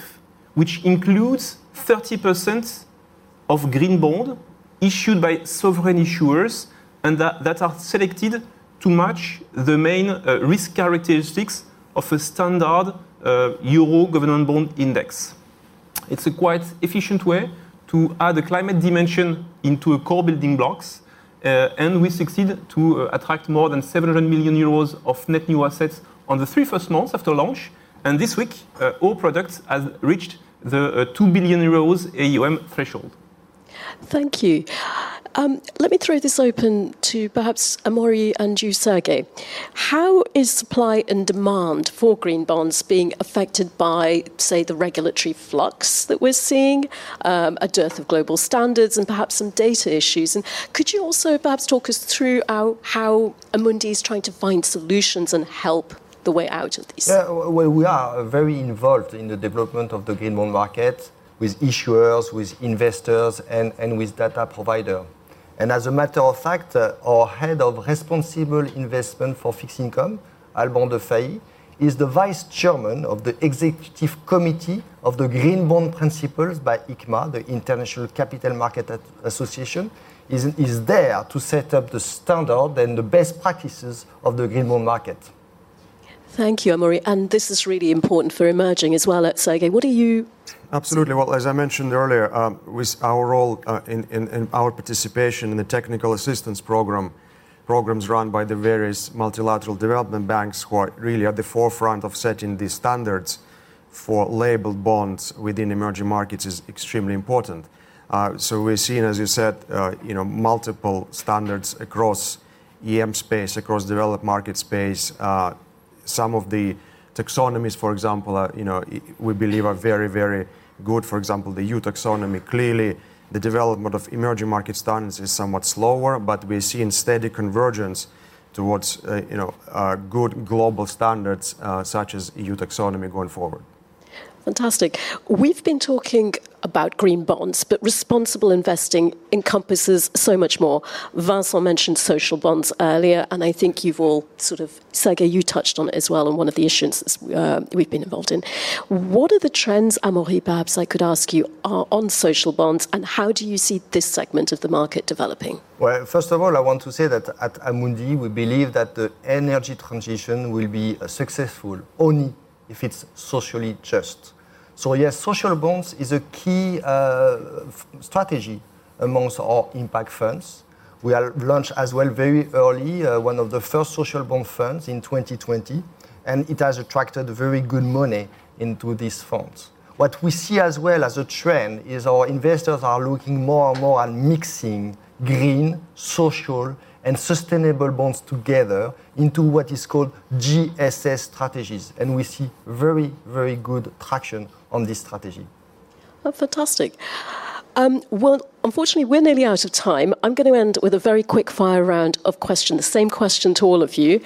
Speaker 6: which includes 30% of green bond issued by sovereign issuers, and that, that are selected to match the main risk characteristics of a standard Euro government bond index. It's a quite efficient way to add a climate dimension into a core building blocks, and we succeeded to attract more than 700 million euros of net new assets on the three first months after launch, and this week, all products have reached the 2 billion euros AUM threshold.
Speaker 4: Thank you. Let me throw this open to perhaps Amaury and you, Sergei. How is supply and demand for green bonds being affected by, say, the regulatory flux that we're seeing, a dearth of global standards and perhaps some data issues? And could you also perhaps talk us through how Amundi is trying to find solutions and help the way out of this?
Speaker 5: Yeah, well, we are very involved in the development of the green bond market with issuers, with investors, and, and with data provider.... And as a matter of fact, our head of responsible investment for fixed income, Alban de Faÿ, is the vice chairman of the executive committee of the Green Bond Principles by ICMA, the International Capital Market Association, is, is there to set up the standard and the best practices of the green bond market.
Speaker 4: Thank you, Amaury. This is really important for emerging as well. Sergei, what are you-
Speaker 7: Absolutely. Well, as I mentioned earlier, with our role in our participation in the technical assistance programs run by the various multilateral development banks, who are really at the forefront of setting the standards for labeled bonds within emerging markets, is extremely important. So we're seeing, as you said, you know, multiple standards across EM space, across developed market space. Some of the taxonomies, for example, you know, we believe are very, very good. For example, the EU taxonomy. Clearly, the development of emerging market standards is somewhat slower, but we are seeing steady convergence towards, you know, good global standards, such as EU taxonomy going forward.
Speaker 4: Fantastic. We've been talking about green bonds, but responsible investing encompasses so much more. Vincent mentioned social bonds earlier, and I think you've all sort of... Sergei, you touched on it as well in one of the instances, we've been involved in. What are the trends, Amaury, perhaps I could ask you, are on social bonds, and how do you see this segment of the market developing?
Speaker 5: Well, first of all, I want to say that at Amundi, we believe that the energy transition will be successful only if it's socially just. So yes, social bonds is a key strategy among our impact funds. We are launched as well, very early, one of the first social bond funds in 2020, and it has attracted very good money into these funds. What we see as well as a trend is our investors are looking more and more on mixing green, social, and sustainable bonds together into what is called GSS strategies, and we see very, very good traction on this strategy.
Speaker 4: Oh, fantastic. Well, unfortunately, we're nearly out of time. I'm going to end with a very quick-fire round of questions, the same question to all of you.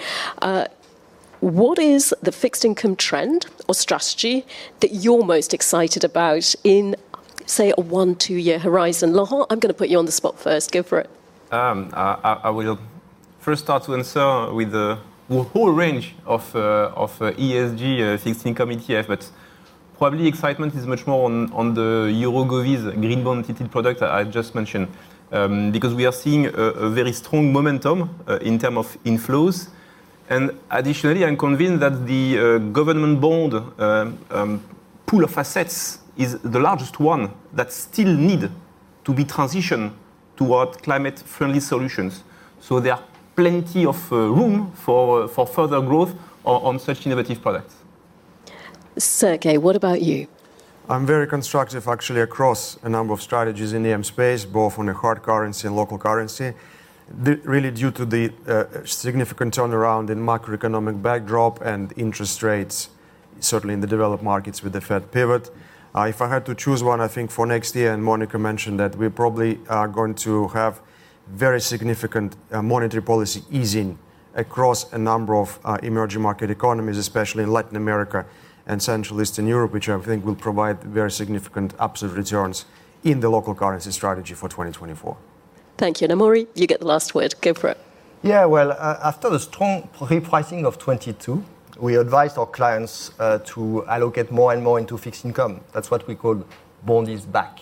Speaker 4: What is the fixed income trend or strategy that you're most excited about in, say, a one, two-year horizon? Laurent, I'm going to put you on the spot first. Go for it.
Speaker 6: I will first start to answer with the whole range of ESG fixed income ETF, but probably excitement is much more on the Euro Govies green bond ETF product I've just mentioned, because we are seeing a very strong momentum in terms of inflows. And additionally, I'm convinced that the government bond pool of assets is the largest one that still need to be transitioned towards climate-friendly solutions. So there are plenty of room for further growth on such innovative products.
Speaker 4: Sergei, what about you?
Speaker 7: I'm very constructive, actually, across a number of strategies in EM space, both on a hard currency and local currency. The really due to the significant turnaround in macroeconomic backdrop and interest rates, certainly in the developed markets with the Fed pivot. If I had to choose one, I think for next year, and Monica mentioned that we probably are going to have very significant monetary policy easing across a number of emerging market economies, especially in Latin America and Central Eastern Europe, which I think will provide very significant absolute returns in the local currency strategy for 2024.
Speaker 4: Thank you. Amaury, you get the last word. Go for it.
Speaker 5: Yeah, well, after the strong repricing of 2022, we advised our clients to allocate more and more into fixed income. That's what we call bonds are back.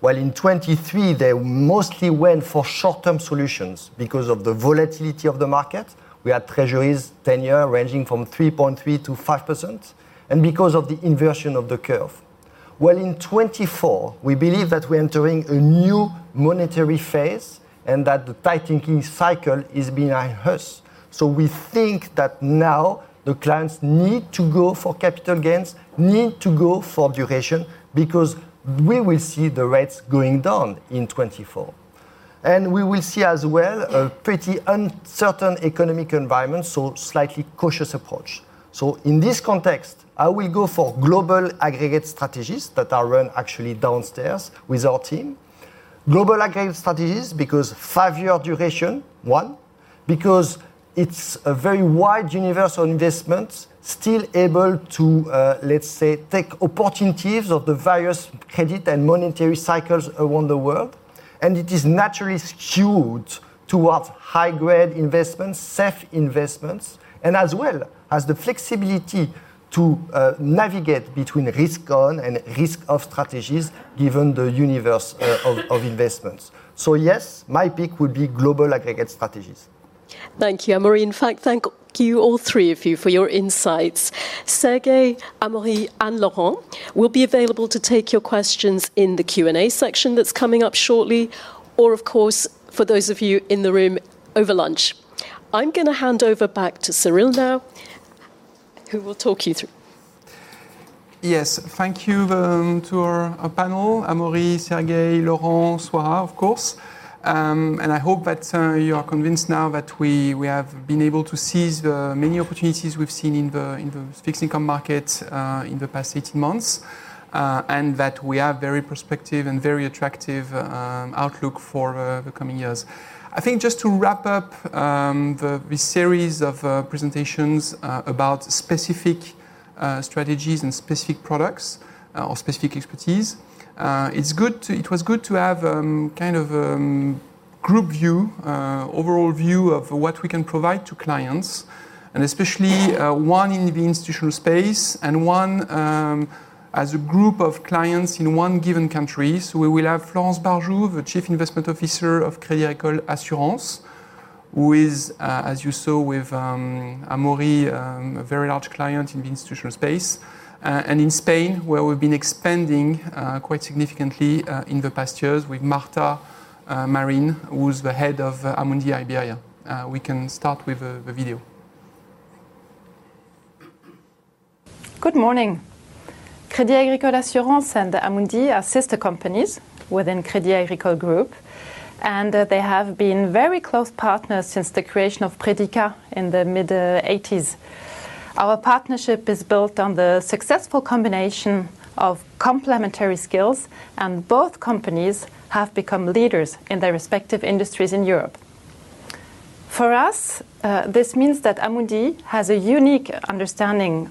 Speaker 5: While in 2023, they mostly went for short-term solutions because of the volatility of the market, we had Treasuries 10-year ranging from 3.3%-5%, and because of the inversion of the curve. Well, in 2024, we believe that we're entering a new monetary phase and that the tightening cycle is being reversed. So we think that now the clients need to go for capital gains, need to go for duration, because we will see the rates going down in 2024. And we will see as well a pretty uncertain economic environment, so slightly cautious approach. So in this context, I will go for Global Aggregate strategies that are run actually downstairs with our team. Global Aggregate strategies, because five-year duration, one, because it's a very wide universal investment, still able to, let's say, take opportunities of the various credit and monetary cycles around the world, and it is naturally skewed towards high-grade investments, safe investments, and as well as the flexibility to, navigate between risk-on and risk-off strategies, given the universe, of investments. So yes, my pick would be Global Aggregate strategies.
Speaker 4: Thank you, Amaury. In fact, thank you, all three of you, for your insights. Sergei, Amaury, and Laurent will be available to take your questions in the Q&A section that's coming up shortly, or of course, for those of you in the room, over lunch. I'm going to hand over back to Cyril now, who will talk you through.
Speaker 1: Yes, thank you, to our panel, Amaury, Sergei, Laurent, Swaha, of course. And I hope that you are convinced now that we have been able to seize the many opportunities we've seen in the fixed income market, in the past 18 months, and that we have very prospective and very attractive outlook for the coming years. I think just to wrap up, this series of presentations about specific strategies and specific products or specific expertise, it was good to have kind of group view, overall view of what we can provide to clients, and especially one in the institutional space and one as a group of clients in one given country. So we will have Florence Barjou, the Chief Investment Officer of Crédit Agricole Assurances, who is, as you saw with Amaury, a very large client in the institutional space. And in Spain, where we've been expanding quite significantly in the past years with Marta Marín, who's the Head of Amundi Iberia. We can start with the video.
Speaker 11: Good morning. Crédit Agricole Assurances and Amundi are sister companies within Crédit Agricole Group, and, they have been very close partners since the creation of Predica in the mid eighties. Our partnership is built on the successful combination of complementary skills, and both companies have become leaders in their respective industries in Europe. For us, this means that Amundi has a unique understanding-